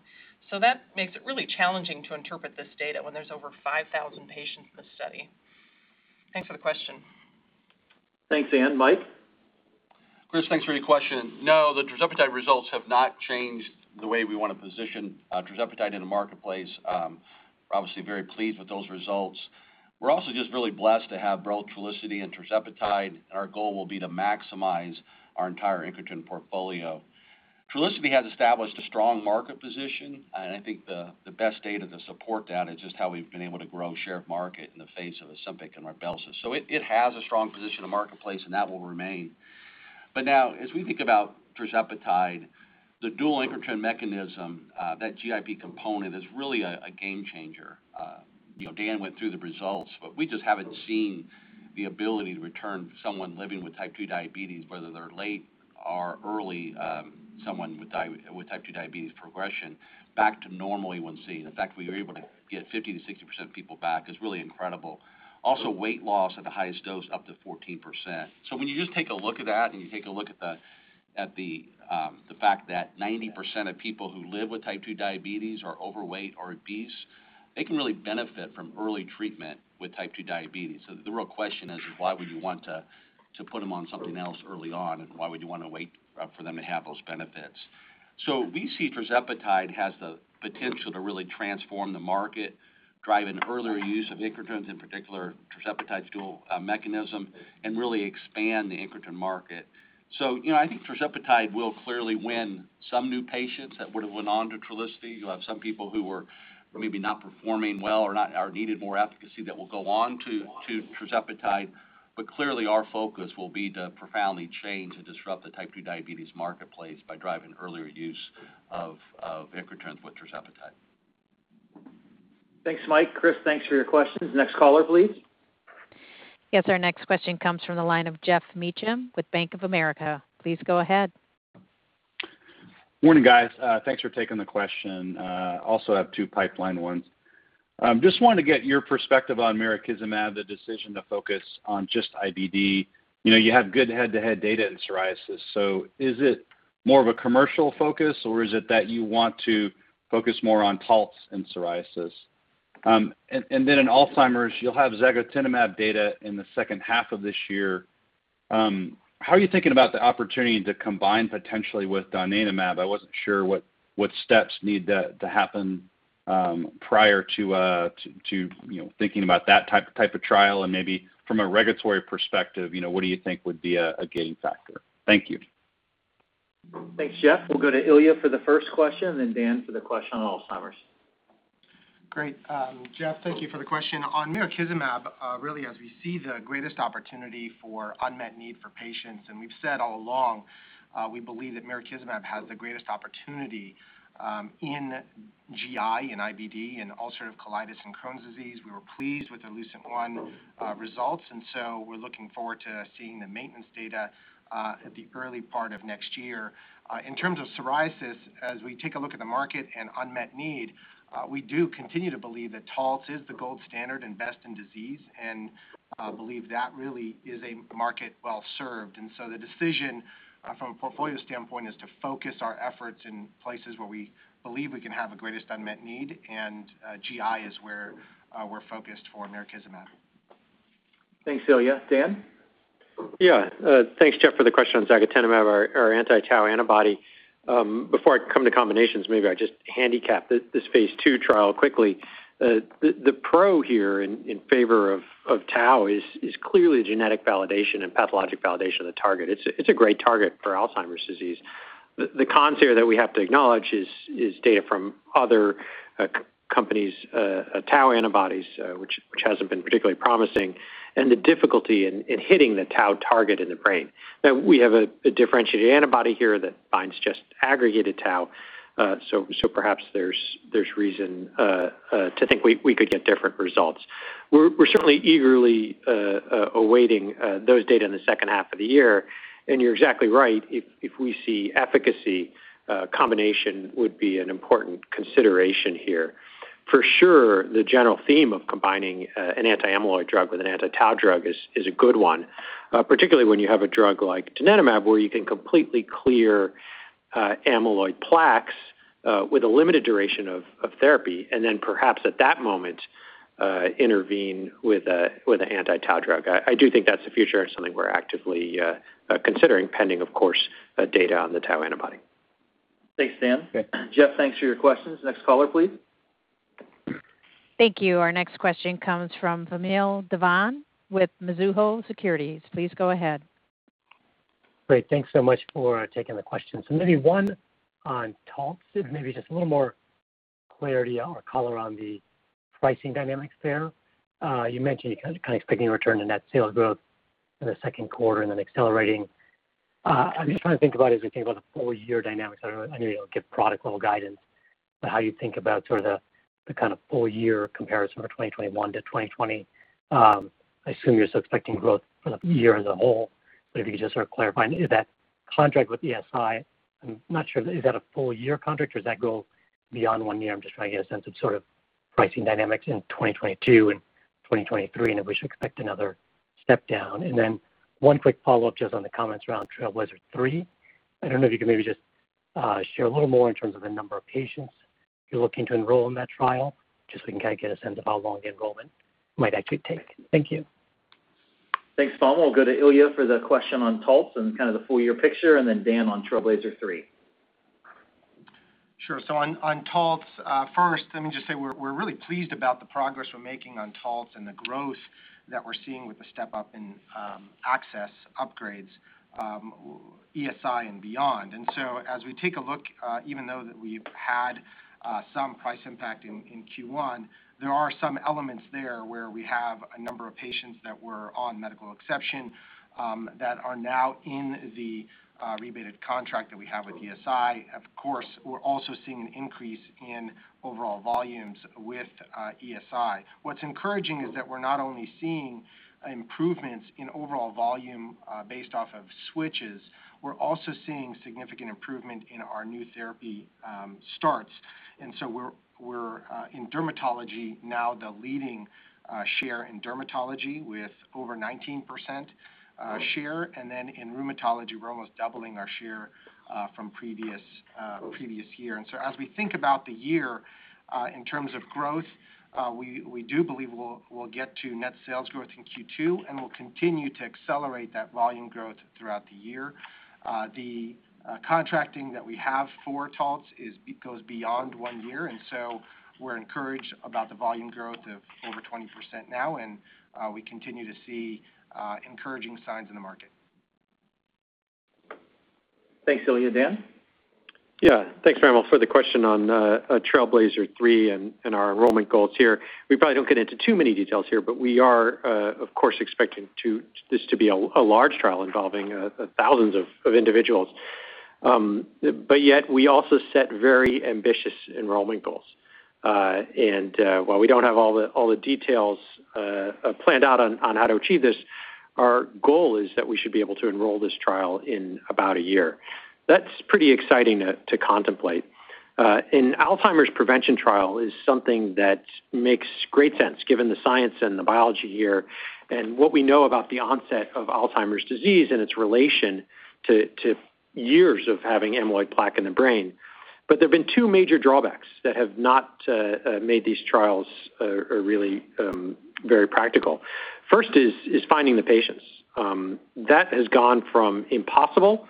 That makes it really challenging to interpret this data when there is over 5,000 patients in the study. Thanks for the question. Thanks, Anne. Mike? Chris, thanks for your question. No, the tirzepatide results have not changed the way we want to position tirzepatide in the marketplace. We're obviously very pleased with those results. We're also just really blessed to have both Trulicity and tirzepatide, and our goal will be to maximize our entire incretin portfolio. Trulicity has established a strong market position, and I think the best data to support that is just how we've been able to grow share of market in the face of Ozempic and Rybelsus. It has a strong position in the marketplace, and that will remain. Now, as we think about tirzepatide, the dual incretin mechanism, that GIP component is really a game changer. Dan went through the results. We just haven't seen the ability to return someone living with type 2 diabetes, whether they're late or early, someone with type 2 diabetes progression back to normal A1c. The fact that we were able to get 50%-60% of people back is really incredible. Also, weight loss at the highest dose, up to 14%. At the fact that 90% of people who live with type 2 diabetes are overweight or obese, they can really benefit from early treatment with type 2 diabetes. The real question is why would you want to put them on something else early on, and why would you want to wait for them to have those benefits? We see tirzepatide has the potential to really transform the market, drive an earlier use of incretins, in particular tirzepatide's dual mechanism, and really expand the incretin market. I think tirzepatide will clearly win some new patients that would've went on to Trulicity. You'll have some people who were maybe not performing well or needed more efficacy that will go on to tirzepatide, but clearly our focus will be to profoundly change and disrupt the type 2 diabetes marketplace by driving earlier use of incretins with tirzepatide. Thanks, Mike. Chris, thanks for your questions. Next caller, please. Yes, our next question comes from the line of Geoff Meacham with Bank of America. Please go ahead. Morning, guys. Thanks for taking the question. Also have two pipeline ones. Just wanted to get your perspective on mirikizumab, the decision to focus on just IBD. You have good head-to-head data in psoriasis. Is it more of a commercial focus, or is it that you want to focus more on Taltz in psoriasis? In Alzheimer's, you'll have donanemab data in the second half of this year. How are you thinking about the opportunity to combine potentially with donanemab? I wasn't sure what steps need to happen prior to thinking about that type of trial and maybe from a regulatory perspective, what do you think would be a gaining factor? Thank you. Thanks, Geoff. We'll go to Ilya for the first question, then Dan for the question on Alzheimer's. Great. Geoff, thank you for the question. On mirikizumab, really as we see the greatest opportunity for unmet need for patients, we've said all along we believe that mirikizumab has the greatest opportunity in GI and IBD, in ulcerative colitis and Crohn's disease. We were pleased with the LUCENT-1 results, we're looking forward to seeing the maintenance data at the early part of next year. In terms of psoriasis, as we take a look at the market and unmet need, we do continue to believe that Taltz is the gold standard in best in disease, believe that really is a market well-served. The decision from a portfolio standpoint is to focus our efforts in places where we believe we can have the greatest unmet need, and GI is where we're focused for mirikizumab. Thanks, Ilya. Dan? Thanks, Geoff, for the question on donanemab, our anti-tau antibody. Before I come to combinations, maybe I just handicap this phase II trial quickly. The pro here in favor of tau is clearly genetic validation and pathologic validation of the target. It's a great target for Alzheimer's disease. The cons here that we have to acknowledge is data from other companies' tau antibodies, which hasn't been particularly promising, and the difficulty in hitting the tau target in the brain. We have a differentiated antibody here that binds just aggregated tau, so perhaps there's reason to think we could get different results. We're certainly eagerly awaiting those data in the second half of the year, you're exactly right. If we see efficacy, a combination would be an important consideration here. For sure, the general theme of combining an anti-amyloid drug with an anti-tau drug is a good one, particularly when you have a drug like donanemab, where you can completely clear amyloid plaques with a limited duration of therapy, and then perhaps at that moment, intervene with an anti-tau drug. I do think that's the future and something we're actively considering pending, of course, data on the tau antibody. Thanks, Dan. Okay. Geoff, thanks for your questions. Next caller, please. Thank you. Our next question comes from Vamil Divan with Mizuho Securities. Please go ahead. Great. Thanks so much for taking the question. Maybe one on Taltz, maybe just a little more clarity or color on the pricing dynamics there. You mentioned you're kind of expecting a return to net sales growth in the second quarter and then accelerating. I'm just trying to think about as we think about the full-year dynamics. I know you don't give product level guidance, but how you think about sort of the kind of full-year comparison for 2021-2020. I assume you're still expecting growth for the year as a whole. If you could just sort of clarify? Is that contract with ESI, I'm not sure, is that a full-year contract, or does that go beyond one year? I'm just trying to get a sense of sort of pricing dynamics in 2022 and 2023, and if we should expect another step down. One quick follow-up just on the comments around TRAILBLAZER-ALZ 3. I don't know if you could maybe just share a little more in terms of the number of patients you're looking to enroll in that trial, just so we can kind of get a sense of how long the enrollment might actually take. Thank you. Thanks, Vamil. We'll go to Ilya for the question on Taltz and kind of the full-year picture, and then Dan on TRAILBLAZER-ALZ 3. Sure. On Taltz, first let me just say we're really pleased about the progress we're making on Taltz and the growth that we're seeing with the step-up in access upgrades, ESI and beyond. As we take a look, even though that we've had some price impact in Q1, there are some elements there where we have a number of patients that were on medical exception that are now in the rebated contract that we have with ESI. Of course, we're also seeing an increase in overall volumes with ESI. What's encouraging is that we're not only seeing improvements in overall volume based off of switches, we're also seeing significant improvement in our new therapy starts. We're in dermatology now the leading share in dermatology with over 19% share. In rheumatology, we're almost doubling our share from previous year. As we think about the year in terms of growth, we do believe we'll get to net sales growth in Q2, and we'll continue to accelerate that volume growth throughout the year. The contracting that we have for Taltz goes beyond one year, we're encouraged about the volume growth of over 20% now, and we continue to see encouraging signs in the market. Thanks, Ilya. Dan? Thanks, Vamil, for the question on TRAILBLAZER-ALZ 3 and our enrollment goals here. We probably don't get into too many details here, but we are, of course, expecting this to be a large trial involving thousands of individuals. Yet we also set very ambitious enrollment goals. While we don't have all the details planned out on how to achieve this, our goal is that we should be able to enroll this trial in about one year. That's pretty exciting to contemplate. An Alzheimer's prevention trial is something that makes great sense given the science and the biology here and what we know about the onset of Alzheimer's disease and its relation to years of having amyloid plaque in the brain. There have been two major drawbacks that have not made these trials really very practical. First is finding the patients. That has gone from impossible,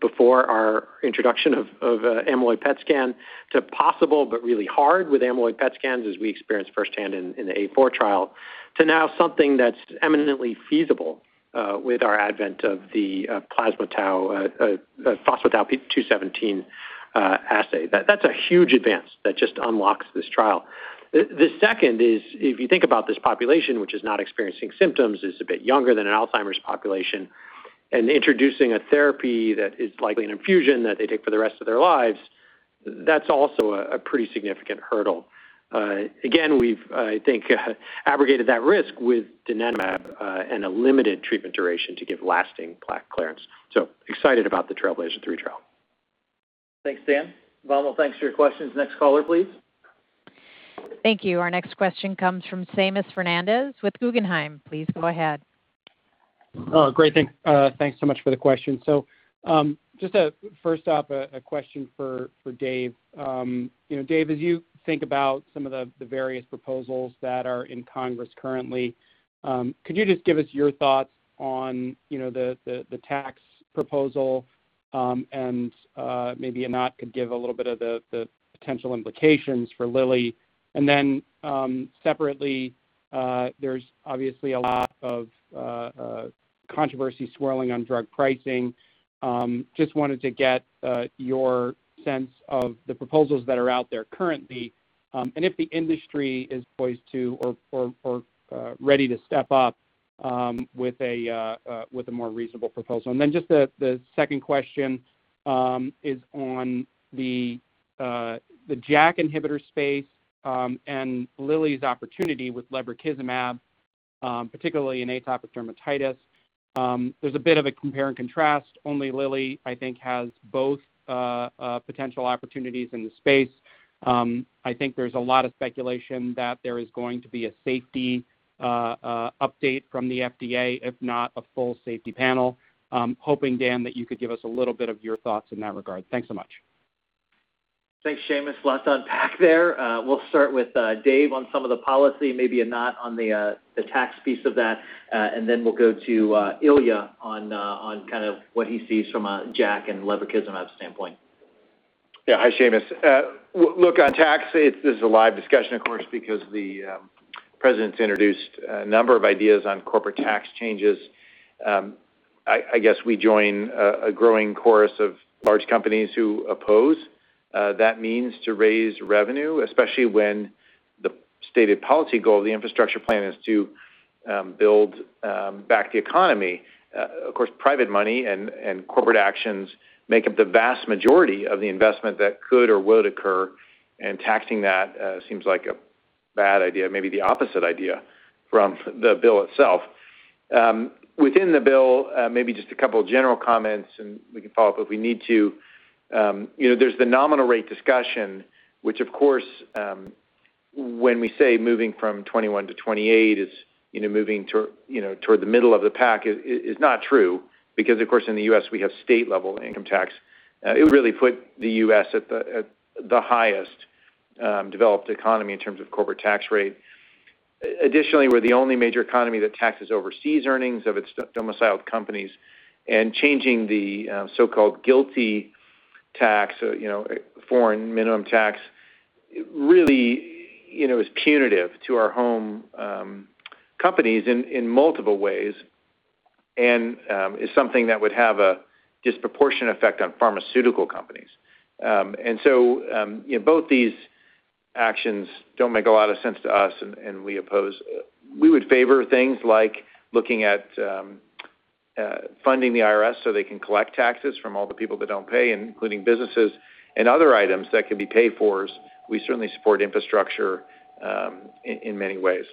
before our introduction of amyloid PET scan, to possible but really hard with amyloid PET scans, as we experienced firsthand in the A4 trial, to now something that's eminently feasible with our advent of the p-tau217 assay. That's a huge advance that just unlocks this trial. The second is, if you think about this population, which is not experiencing symptoms, is a bit younger than an Alzheimer's population, and introducing a therapy that is likely an infusion that they take for the rest of their lives, that's also a pretty significant hurdle. Again, we've, I think, abrogated that risk with donanemab and a limited treatment duration to give lasting plaque clearance. Excited about the TRAILBLAZER-ALZ 3 trial. Thanks, Dan. Vamil, thanks for your questions. Next caller, please. Thank you. Our next question comes from Seamus Fernandez with Guggenheim. Please go ahead. Great. Thanks so much for the question. Just first off, a question for Dave. Dave, as you think about some of the various proposals that are in Congress currently, could you just give us your thoughts on the tax proposal and maybe Anat could give a little bit of the potential implications for Lilly? Separately, there's obviously a lot of controversy swirling on drug pricing. Just wanted to get your sense of the proposals that are out there currently, and if the industry is poised to or ready to step up with a more reasonable proposal. Just the second question is on the JAK inhibitor space and Lilly's opportunity with lebrikizumab, particularly in atopic dermatitis? There's a bit of a compare and contrast. Only Lilly, I think, has both potential opportunities in the space. I think there's a lot of speculation that there is going to be a safety update from the FDA, if not a full safety panel. Hoping, Dan, that you could give us a little bit of your thoughts in that regard. Thanks so much. Thanks, Seamus. Lots to unpack there. We'll start with Dave on some of the policy, maybe Anat on the tax piece of that. Then we'll go to Ilya on kind of what he sees from a JAK and lebrikizumab standpoint. Yeah. Hi, Seamus. Look, on tax, this is a live discussion, of course, because the President's introduced a number of ideas on corporate tax changes. I guess we join a growing chorus of large companies who oppose that means to raise revenue, especially when the stated policy goal of the infrastructure plan is to build back the economy. Of course, private money and corporate actions make up the vast majority of the investment that could or would occur, and taxing that seems like a bad idea, maybe the opposite idea from the bill itself. Within the bill, maybe just a couple general comments, and we can follow up if we need to. There's the nominal rate discussion, which of course, when we say moving from 21-28 is moving toward the middle of the pack is not true, because, of course, in the U.S., we have state-level income tax. It would really put the U.S. at the highest developed economy in terms of corporate tax rate. Additionally, we're the only major economy that taxes overseas earnings of its domiciled companies, and changing the so-called GILTI tax, foreign minimum tax, really is punitive to our home companies in multiple ways and is something that would have a disproportionate effect on pharmaceutical companies. Both these actions don't make a lot of sense to us, and we oppose. We would favor things like looking at funding the IRS so they can collect taxes from all the people that don't pay, including businesses and other items that can be paid for. We certainly support infrastructure in many ways.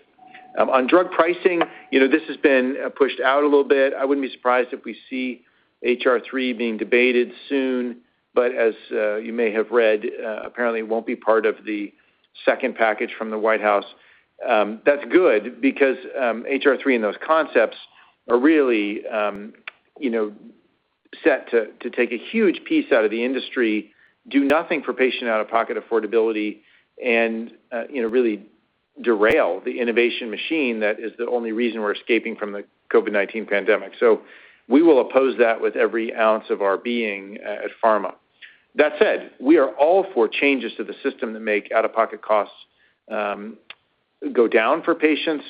On drug pricing, this has been pushed out a little bit. I wouldn't be surprised if we see H.R.3 being debated soon. As you may have read, apparently it won't be part of the second package from the White House. That's good because H.R.3 and those concepts are really set to take a huge piece out of the industry, do nothing for patient out-of-pocket affordability, and really derail the innovation machine that is the only reason we're escaping from the COVID-19 pandemic. We will oppose that with every ounce of our being at PhRMA. That said, we are all for changes to the system that make out-of-pocket costs go down for patients.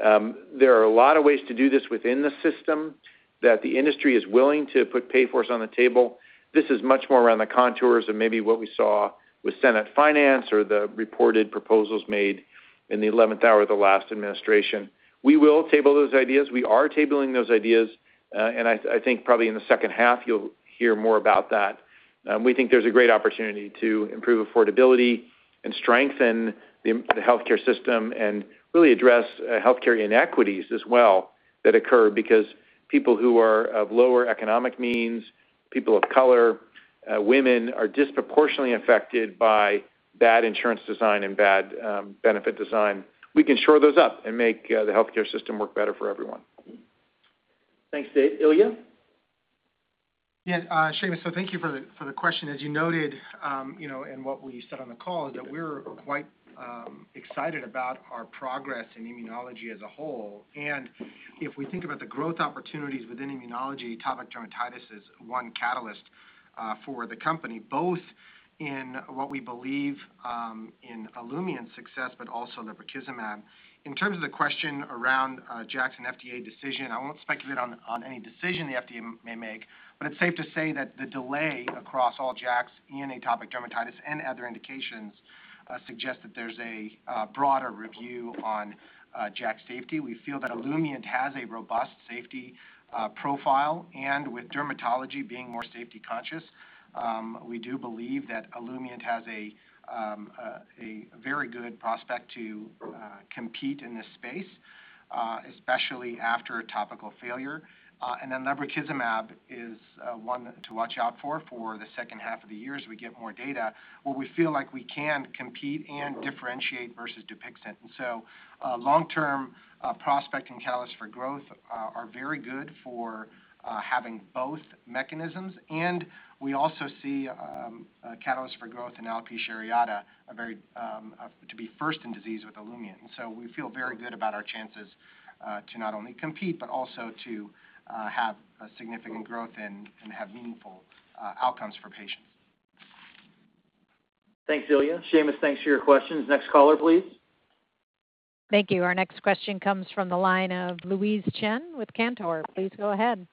There are a lot of ways to do this within the system that the industry is willing to put payers on the table. This is much more around the contours of maybe what we saw with Senate Finance or the reported proposals made in the 11th hour of the last administration. We will table those ideas. We are tabling those ideas, and I think probably in the second half you'll hear more about that. We think there's a great opportunity to improve affordability and strengthen the healthcare system and really address healthcare inequities as well that occur because people who are of lower economic means, people of color, women, are disproportionately affected by bad insurance design and bad benefit design. We can shore those up and make the healthcare system work better for everyone. Thanks, Dave. Ilya? Yeah. Seamus, thank you for the question. As you noted, what we said on the call, is that we're quite excited about our progress in immunology as a whole. If we think about the growth opportunities within immunology, atopic dermatitis is one catalyst for the company, both in what we believe in Olumiant's success, but also lebrikizumab. In terms of the question around JAKs and FDA decision, I won't speculate on any decision the FDA may make, but it's safe to say that the delay across all JAKs in atopic dermatitis and other indications suggests that there's a broader review on JAK safety. We feel that Olumiant has a robust safety profile, and with dermatology being more safety-conscious, we do believe that Olumiant has a very good prospect to compete in this space, especially after a topical failure. Then lebrikizumab is one to watch out for the second half of the year as we get more data where we feel like we can compete and differentiate versus Dupixent. So long-term prospect and catalyst for growth are very good for having both mechanisms. We also see a catalyst for growth in alopecia areata to be first in disease with Olumiant. We feel very good about our chances to not only compete, but also to have a significant growth and have meaningful outcomes for patients. Thanks, Ilya. Seamus, thanks for your questions. Next caller, please. Thank you. Our next question comes from the line of Louise Chen with Cantor. Please go ahead.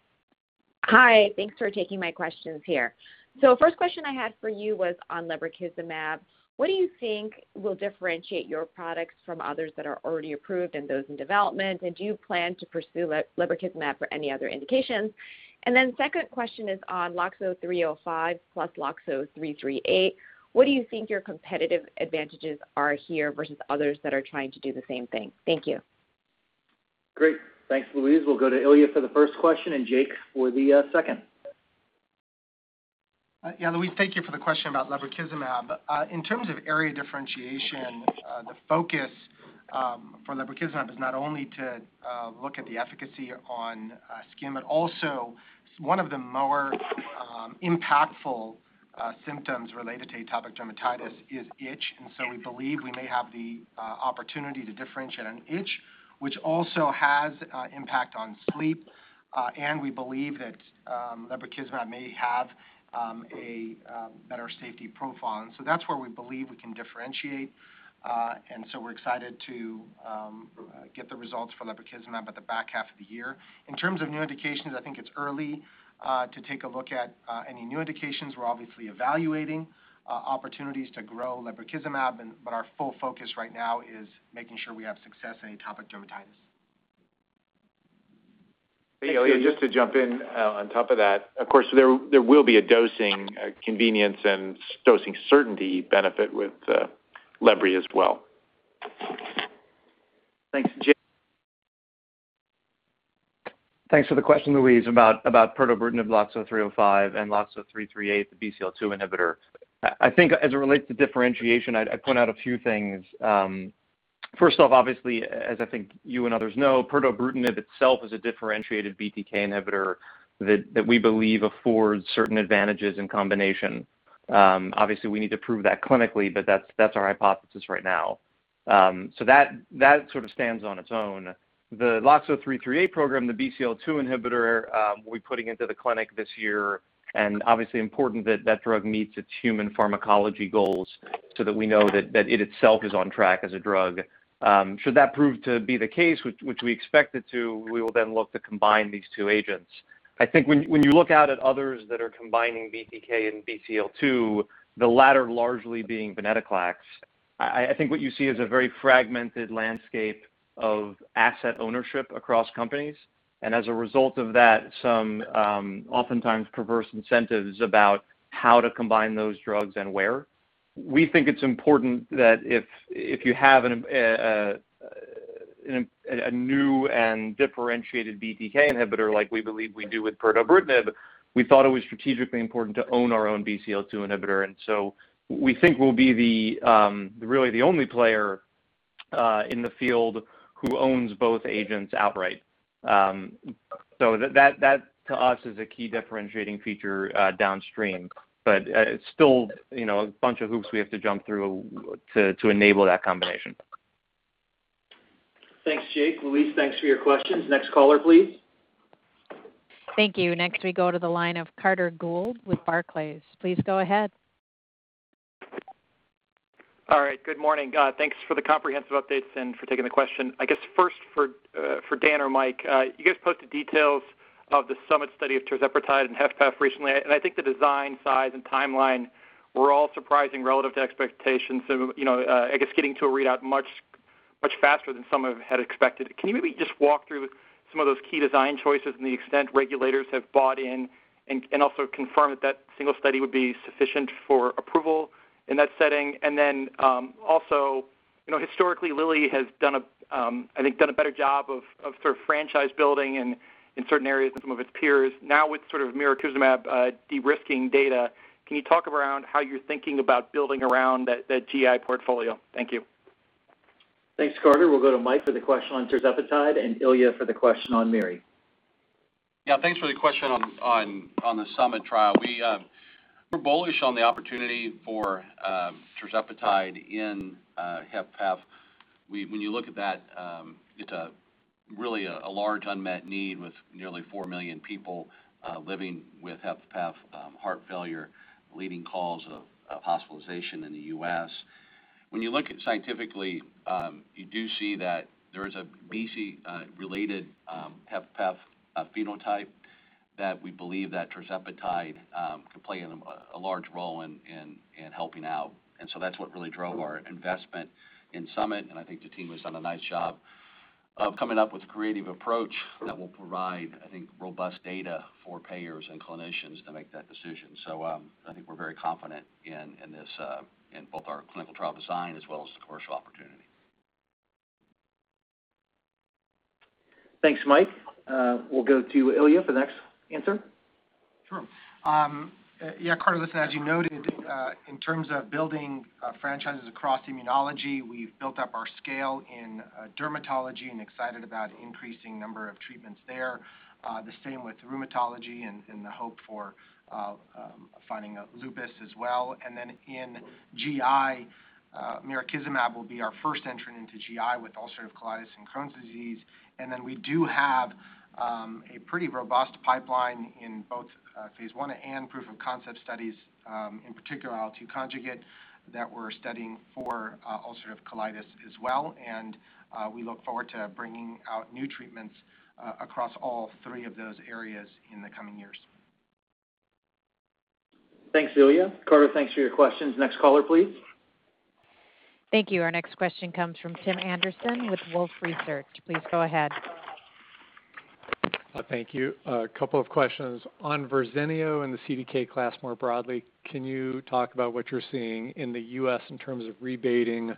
Hi. Thanks for taking my questions here. First question I had for you was on lebrikizumab. What do you think will differentiate your products from others that are already approved and those in development? Do you plan to pursue lebrikizumab for any other indications? Second question is on LOXO-305 plus LOXO-338. What do you think your competitive advantages are here versus others that are trying to do the same thing? Thank you. Great. Thanks, Louise. We'll go to Ilya for the first question and Jake for the second. Louise, thank you for the question about lebrikizumab. In terms of area differentiation, the focus for lebrikizumab is not only to look at the efficacy on skin, but also one of the more impactful symptoms related to atopic dermatitis is itch. We believe we may have the opportunity to differentiate on itch, which also has impact on sleep. We believe that lebrikizumab may have a better safety profile. That's where we believe we can differentiate. We're excited to get the results for lebrikizumab at the back half of the year. In terms of new indications, I think it's early to take a look at any new indications. We're obviously evaluating opportunities to grow lebrikizumab, but our full focus right now is making sure we have success in atopic dermatitis. Ilya, just to jump in on top of that, of course, there will be a dosing convenience and dosing certainty benefit with lebrikizumab as well. Thanks, Jake. Thanks for the question, Louise, about pirtobrutinib LOXO-305 and LOXO-338, the BCL-2 inhibitor. I think as it relates to differentiation, I'd point out a few things. First off, obviously, as I think you and others know, pirtobrutinib itself is a differentiated BTK inhibitor that we believe affords certain advantages in combination. Obviously, we need to prove that clinically, but that's our hypothesis right now. That sort of stands on its own. The LOXO-338 program, the BCL-2 inhibitor, we'll be putting into the clinic this year, and obviously important that that drug meets its human pharmacology goals so that we know that it itself is on track as a drug. Should that prove to be the case, which we expect it to, we will then look to combine these two agents. I think when you look out at others that are combining BTK and BCL-2, the latter largely being venetoclax, I think what you see is a very fragmented landscape of asset ownership across companies. As a result of that, some oftentimes perverse incentives about how to combine those drugs and where. We think it's important that if you have a new and differentiated BTK inhibitor, like we believe we do with pirtobrutinib, we thought it was strategically important to own our own BCL-2 inhibitor. We think we'll be really the only player in the field who owns both agents outright. That to us is a key differentiating feature downstream. It's still a bunch of hoops we have to jump through to enable that combination. Thanks, Jake. Louise, thanks for your questions. Next caller, please. Thank you. Next, we go to the line of Carter Gould with Barclays. Please go ahead. All right. Good morning. Thanks for the comprehensive updates and for taking the question. I guess first for Dan or Mike, you guys posted details of the SUMMIT of tirzepatide in HFpEF recently, and I think the design, size, and timeline were all surprising relative to expectations. I guess getting to a readout much faster than some had expected. Can you maybe just walk through some of those key design choices and the extent regulators have bought in, and also confirm that that single study would be sufficient for approval in that setting? Historically Lilly has, I think, done a better job of franchise building in certain areas than some of its peers. Now with mirikizumab de-risking data, can you talk around how you're thinking about building around that GI portfolio? Thank you. Thanks, Carter. We'll go to Mike for the question on tirzepatide and Ilya for the question on miri. Yeah, thanks for the question on the SUMMIT trial. We're bullish on the opportunity for tirzepatide in HFpEF. When you look at that, it's really a large unmet need with nearly four million people living with HFpEF heart failure, leading cause of hospitalization in the U.S.. When you look scientifically, you do see that there is a obesity-related HFpEF phenotype that we believe that tirzepatide could play a large role in helping out. That's what really drove our investment in SUMMIT, and I think the team has done a nice job of coming up with a creative approach that will provide, I think, robust data for payers and clinicians to make that decision. I think we're very confident in both our clinical trial design as well as the commercial opportunity. Thanks, Mike. We'll go to Ilya for the next answer. Sure. Yeah, Carter, listen, as you noted, in terms of building franchises across immunology, we've built up our scale in dermatology and excited about increasing number of treatments there. The same with rheumatology and the hope for finding a lupus as well. Then in GI, mirikizumab will be our first entrant into GI with ulcerative colitis and Crohn's disease. Then we do have a pretty robust pipeline in both phase I and proof of concept studies, in particular IL-2 conjugate that we're studying for ulcerative colitis as well, and we look forward to bringing out new treatments across all three of those areas in the coming years. Thanks, Ilya. Carter, thanks for your questions. Next caller, please. Thank you. Our next question comes from Tim Anderson with Wolfe Research. Please go ahead. Thank you. A couple of questions. On Verzenio and the CDK class more broadly, can you talk about what you're seeing in the U.S. in terms of rebating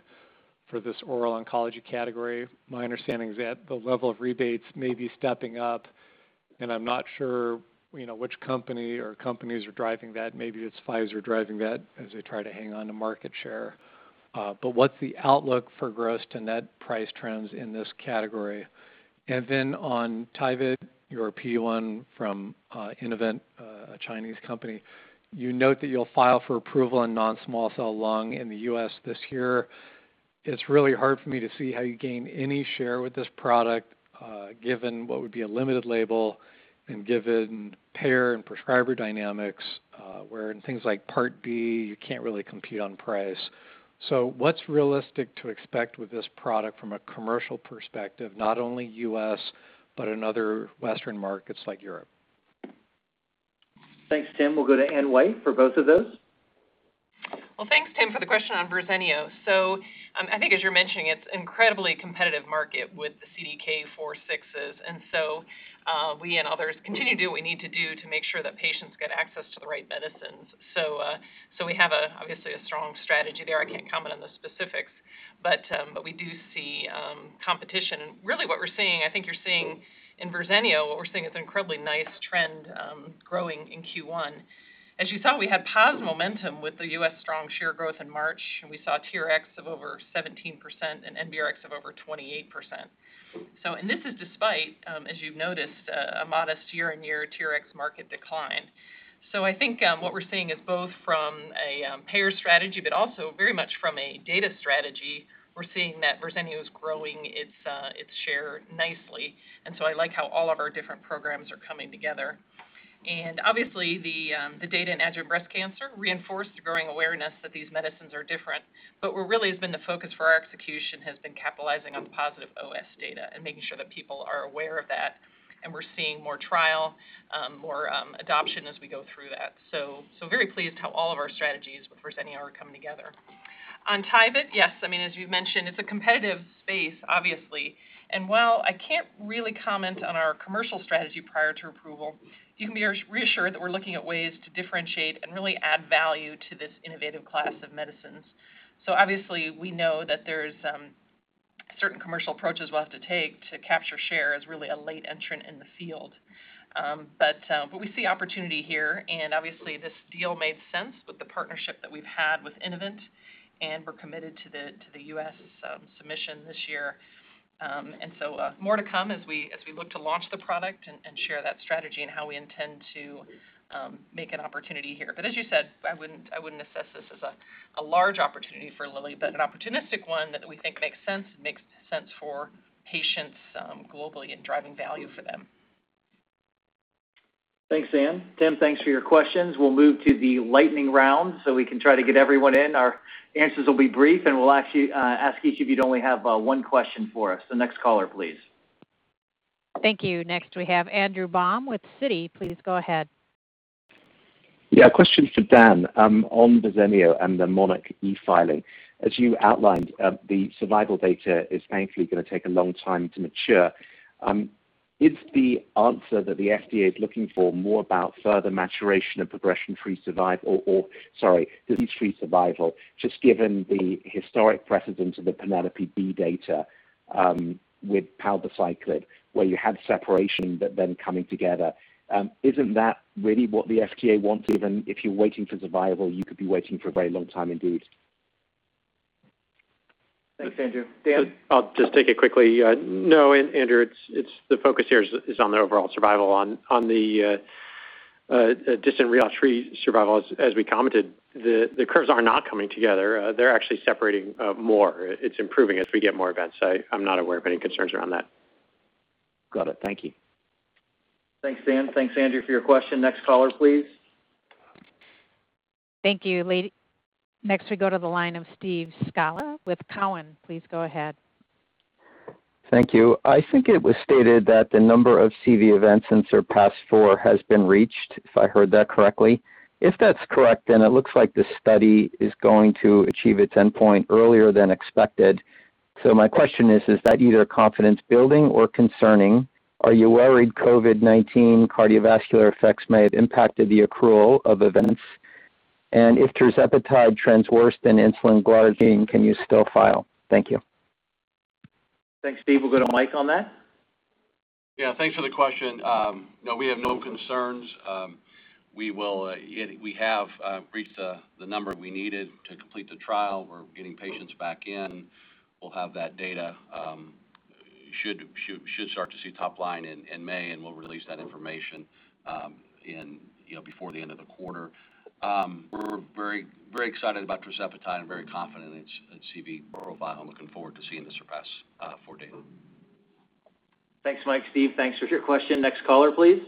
for this oral oncology category? My understanding is that the level of rebates may be stepping up, and I'm not sure which company or companies are driving that. Maybe it's Pfizer driving that as they try to hang on to market share. What's the outlook for gross to net price trends in this category? On TYVYT, your P1 from Innovent, a Chinese company, you note that you'll file for approval in non-small cell lung in the U.S. this year. It's really hard for me to see how you gain any share with this product given what would be a limited label and given payer and prescriber dynamics, where in things like Part D, you can't really compete on price. What's realistic to expect with this product from a commercial perspective, not only U.S. but in other Western markets like Europe? Thanks, Tim. We'll go to Anne White for both of those. Well, thanks, Tim, for the question on Verzenio. I think as you're mentioning, it's incredibly competitive market with the CDK4/6s. We and others continue to do what we need to do to make sure that patients get access to the right medicines. We have obviously a strong strategy there. I can't comment on the specifics, but we do see competition. Really what we're seeing, I think you're seeing in Verzenio, what we're seeing is an incredibly nice trend growing in Q1. As you saw, we had positive momentum with the U.S. strong share growth in March, and we saw TRx of over 17% and NBRx of over 28%. This is despite, as you've noticed, a modest year-on-year TRx market decline. I think what we're seeing is both from a payer strategy, but also very much from a data strategy, we're seeing that Verzenio is growing its share nicely, and so I like how all of our different programs are coming together. Obviously the data in adjuvant breast cancer reinforced growing awareness that these medicines are different. What really has been the focus for our execution has been capitalizing on the positive OS data and making sure that people are aware of that, and we're seeing more trial, more adoption as we go through that. Very pleased how all of our strategies with Verzenio are coming together. On TYVYT, yes, as you've mentioned, it's a competitive space, obviously. While I can't really comment on our commercial strategy prior to approval, you can be reassured that we're looking at ways to differentiate and really add value to this innovative class of medicines. Obviously, we know that there's certain commercial approaches we'll have to take to capture share as really a late entrant in the field. We see opportunity here, and obviously this deal made sense with the partnership that we've had with Innovent, and we're committed to the U.S. submission this year. More to come as we look to launch the product and share that strategy and how we intend to make an opportunity here. As you said, I wouldn't assess this as a large opportunity for Lilly, but an opportunistic one that we think makes sense for patients globally and driving value for them. Thanks, Anne. Tim, thanks for your questions. We'll move to the lightning round so we can try to get everyone in. Our answers will be brief, and we'll ask each of you to only have one question for us. The next caller, please. Thank you. Next, we have Andrew Baum with Citi. Please go ahead. Yeah, a question for Dan on Verzenio and the monarchE e-filing. As you outlined, the survival data is thankfully going to take a long time to mature. Is the answer that the FDA is looking for more about further maturation of progression-free survival or, sorry, disease-free survival, just given the historic precedence of the PENELOPE-B data with palbociclib, where you had separation but then coming together? Isn't that really what the FDA wants, even if you're waiting for survival, you could be waiting for a very long time indeed? Thanks, Andrew. Dan? I'll just take it quickly. No, Andrew, the focus here is on the overall survival. On the distant relapse-free survival, as we commented, the curves are not coming together. They're actually separating more. It's improving as we get more events. I'm not aware of any concerns around that. Got it. Thank you. Thanks, Dan. Thanks, Andrew, for your question. Next caller, please. Thank you. Next, we go to the line of Steve Scala with Cowen. Please go ahead. Thank you. I think it was stated that the number of CV events in SURPASS-4 has been reached, if I heard that correctly. If that's correct, it looks like the study is going to achieve its endpoint earlier than expected. My question is that either confidence-building or concerning? Are you worried COVID-19 cardiovascular effects may have impacted the accrual of events? If tirzepatide trends worse than insulin glargine, can you still file? Thank you. Thanks, Steve. We'll go to Mike on that. Thanks for the question. We have no concerns. We have reached the number we needed to complete the trial. We're getting patients back in. We'll have that data. Should start to see top line in May, and we'll release that information before the end of the quarter. We're very excited about tirzepatide and very confident in its CV profile and looking forward to seeing the SURPASS-4 data. Thanks, Mike. Steve, thanks for your question. Next caller, please.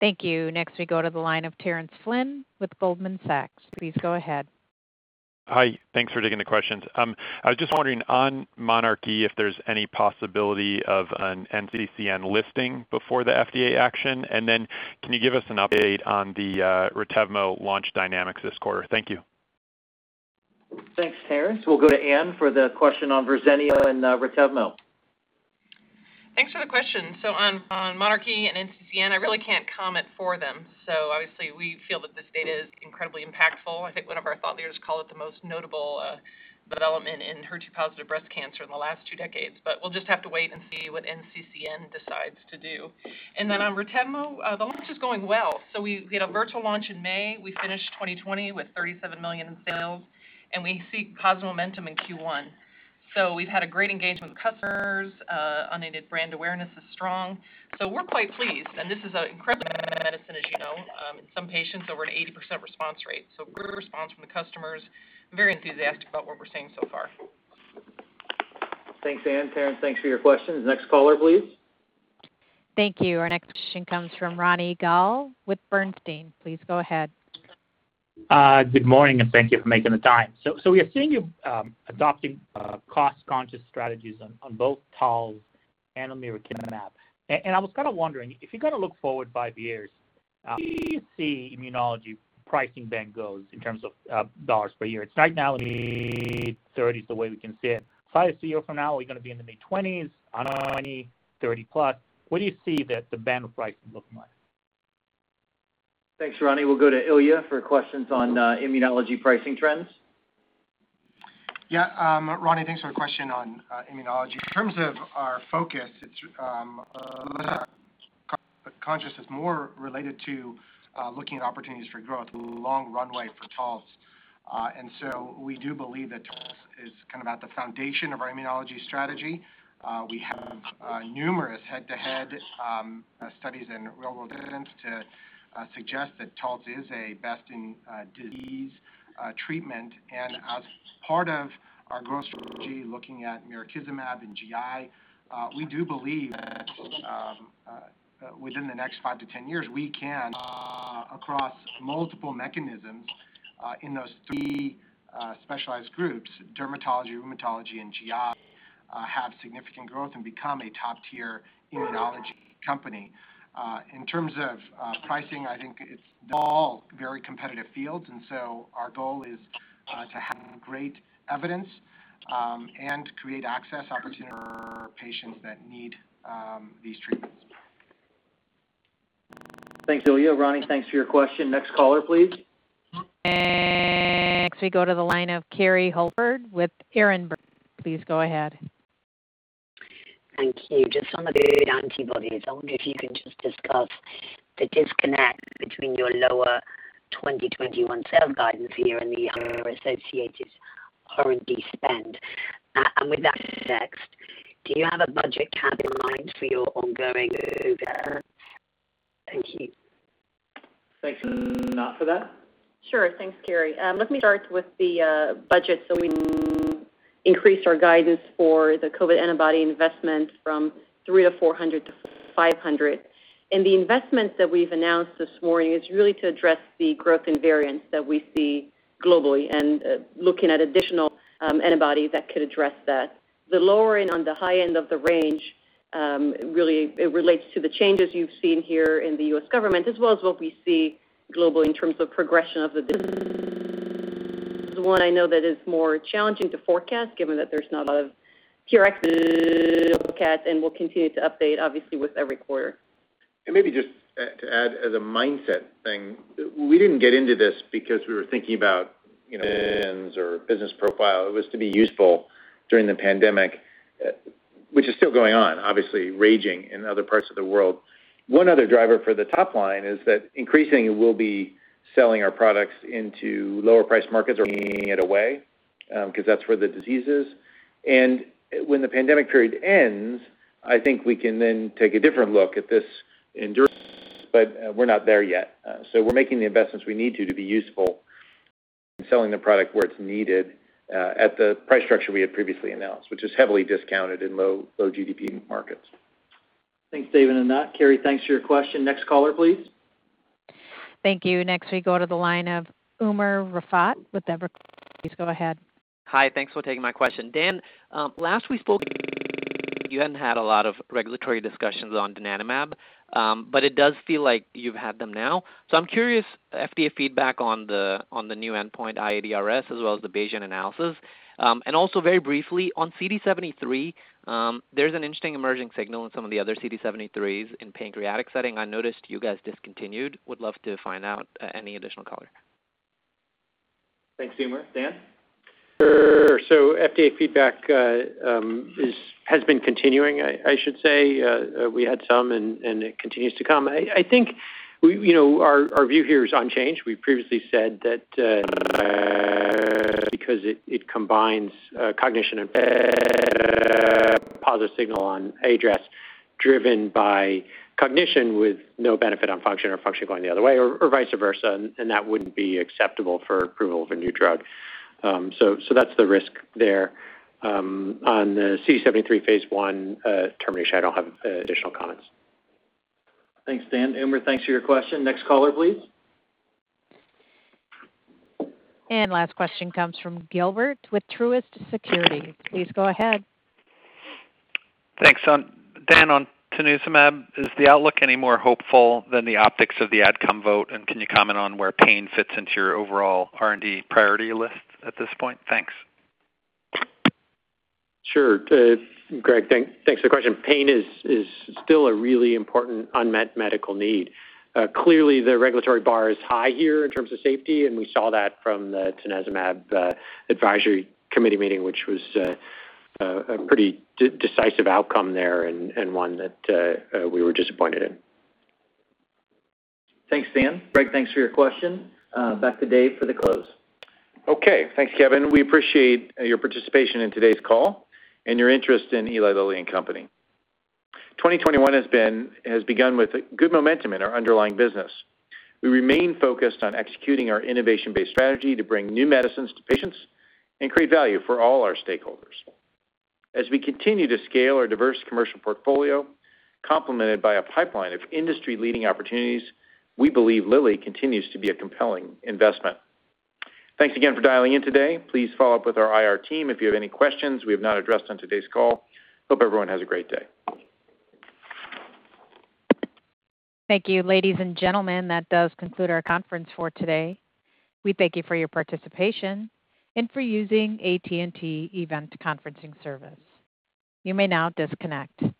Thank you. Next, we go to the line of Terence Flynn with Goldman Sachs. Please go ahead. Hi. Thanks for taking the questions. I was just wondering on monarchE if there's any possibility of an NCCN listing before the FDA action, Can you give us an update on the Retevmo launch dynamics this quarter? Thank you. Thanks, Terence. We'll go to Anne for the question on Verzenio and Retevmo. Thanks for the question. On monarchE and NCCN, I really can't comment for them. Obviously, we feel that this data is incredibly impactful. I think one of our thought leaders called it the most notable development in HER2-positive breast cancer in the last two decades. We'll just have to wait and see what NCCN decides to do. On Retevmo, the launch is going well. We had a virtual launch in May. We finished 2020 with $37 million in sales, and we see positive momentum in Q1. We've had a great engagement with customers. Unaided brand awareness is strong. We're quite pleased, and this is an incredible medicine, as you know. In some patients, over an 80% response rate. Great response from the customers. Very enthusiastic about what we're seeing so far. Thanks, Anne. Terence, thanks for your questions. Next caller, please. Thank you. Our next question comes from Ronny Gal with Bernstein. Please go ahead. Good morning, and thank you for making the time. We are seeing you adopting cost-conscious strategies on both Taltz and on mirikizumab. I was kind of wondering, if you're going to look forward five years, where do you see immunology pricing then goes in terms of dollars per year? Right now, it's mid-$30s the way we can see it. Five, six year from now, are we going to be in the mid-$20s? Under $20? $30+? Where do you see that the banner pricing looking like? Thanks, Ronny Gal. We'll go to Ilya Yuffa for questions on immunology pricing trends. Yeah. Ronny, thanks for the question on immunology. In terms of our focus, it's conscious is more related to looking at opportunities for growth, long runway for Taltz. We do believe that Taltz is kind of at the foundation of our immunology strategy. We have numerous head-to-head studies and real-world evidence to suggest that Taltz is a best-in-disease treatment. As part of our growth strategy, looking at mirikizumab in GI, we do believe that within the next five to 10 years, we can, across multiple mechanisms in those three specialized groups, dermatology, rheumatology, and GI, have significant growth and become a top-tier immunology company. In terms of pricing, I think they're all very competitive fields, our goal is to have great evidence and create access opportunities for patients that need these treatments. Thanks, Ilya. Ronny, thanks for your question. Next caller, please. Next, we go to the line of Kerry Holford with Berenberg. Please go ahead. Thank you. Just on the antibodies, I wonder if you can just discuss the disconnect between your lower 2021 sales guidance here and the associated R&D spend. With that, next, do you have a budget cap in mind for your ongoing? Thank you. Thanks, Anat, for that. Sure. Thanks, Kerry. Let me start with the budget. We increased our guidance for the COVID antibody investment from $300 to $400 to $500. The investment that we've announced this morning is really to address the growth in variants that we see globally and looking at additional antibodies that could address that. The lowering on the high end of the range, really, it relates to the changes you've seen here in the U.S. government, as well as what we see globally in terms of progression of the disease. This is one I know that is more challenging to forecast given that there's not a lot of pure X and we'll continue to update obviously with every quarter. Maybe just to add as a mindset thing, we didn't get into this because we were thinking about ends or business profile. It was to be useful during the pandemic, which is still going on, obviously raging in other parts of the world. One other driver for the top line is that increasingly we'll be selling our products into lower priced markets or giving it away, because that's where the disease is. When the pandemic period ends, I think we can then take a different look at this endurance, but we're not there yet. We're making the investments we need to be useful and selling the product where it's needed at the price structure we had previously announced, which is heavily discounted in low GDP markets. Thanks, Dave and Anat. Kerry, thanks for your question. Next caller, please. Thank you. Next, we go to the line of Umer Raffat with Evercore. Please go ahead. Hi. Thanks for taking my question. Dan, last we spoke, you hadn't had a lot of regulatory discussions on donanemab, but it does feel like you've had them now. I'm curious, FDA feedback on the new endpoint, iADRS, as well as the Bayesian analysis. Also very briefly on CD73, there's an interesting emerging signal in some of the other CD73s in pancreatic setting I noticed you guys discontinued. Would love to find out any additional color. Thanks, Umer. Dan? Sure. FDA feedback has been continuing, I should say. We had some, and it continues to come. I think our view here is unchanged. We previously said that because it combines cognition and positive signal on iADRS driven by cognition with no benefit on function or function going the other way or vice versa, and that wouldn't be acceptable for approval of a new drug. That's the risk there. On the CD73 phase I termination, I don't have additional comments. Thanks, Dan. Umer, thanks for your question. Next caller, please. Last question comes from Gilbert with Truist Securities. Please go ahead. Thanks. Dan, on tanezumab, is the outlook any more hopeful than the optics of the outcome vote? Can you comment on where pain fits into your overall R&D priority list at this point? Thanks. Sure. Gregg, thanks for the question. Pain is still a really important unmet medical need. Clearly, the regulatory bar is high here in terms of safety, and we saw that from the tanezumab advisory committee meeting, which was a pretty decisive outcome there and one that we were disappointed in. Thanks, Dan. Gregg, thanks for your question. Back to Dave for the close. Okay. Thanks, Kevin. We appreciate your participation in today's call and your interest in Eli Lilly and Company. 2021 has begun with good momentum in our underlying business. We remain focused on executing our innovation-based strategy to bring new medicines to patients and create value for all our stakeholders. As we continue to scale our diverse commercial portfolio, complemented by a pipeline of industry-leading opportunities, we believe Lilly continues to be a compelling investment. Thanks again for dialing in today. Please follow up with our IR team if you have any questions we have not addressed on today's call. Hope everyone has a great day. Thank you, ladies and gentlemen. That does conclude our conference for today. We thank you for your participation and for using AT&T Event Conferencing service. You may now disconnect.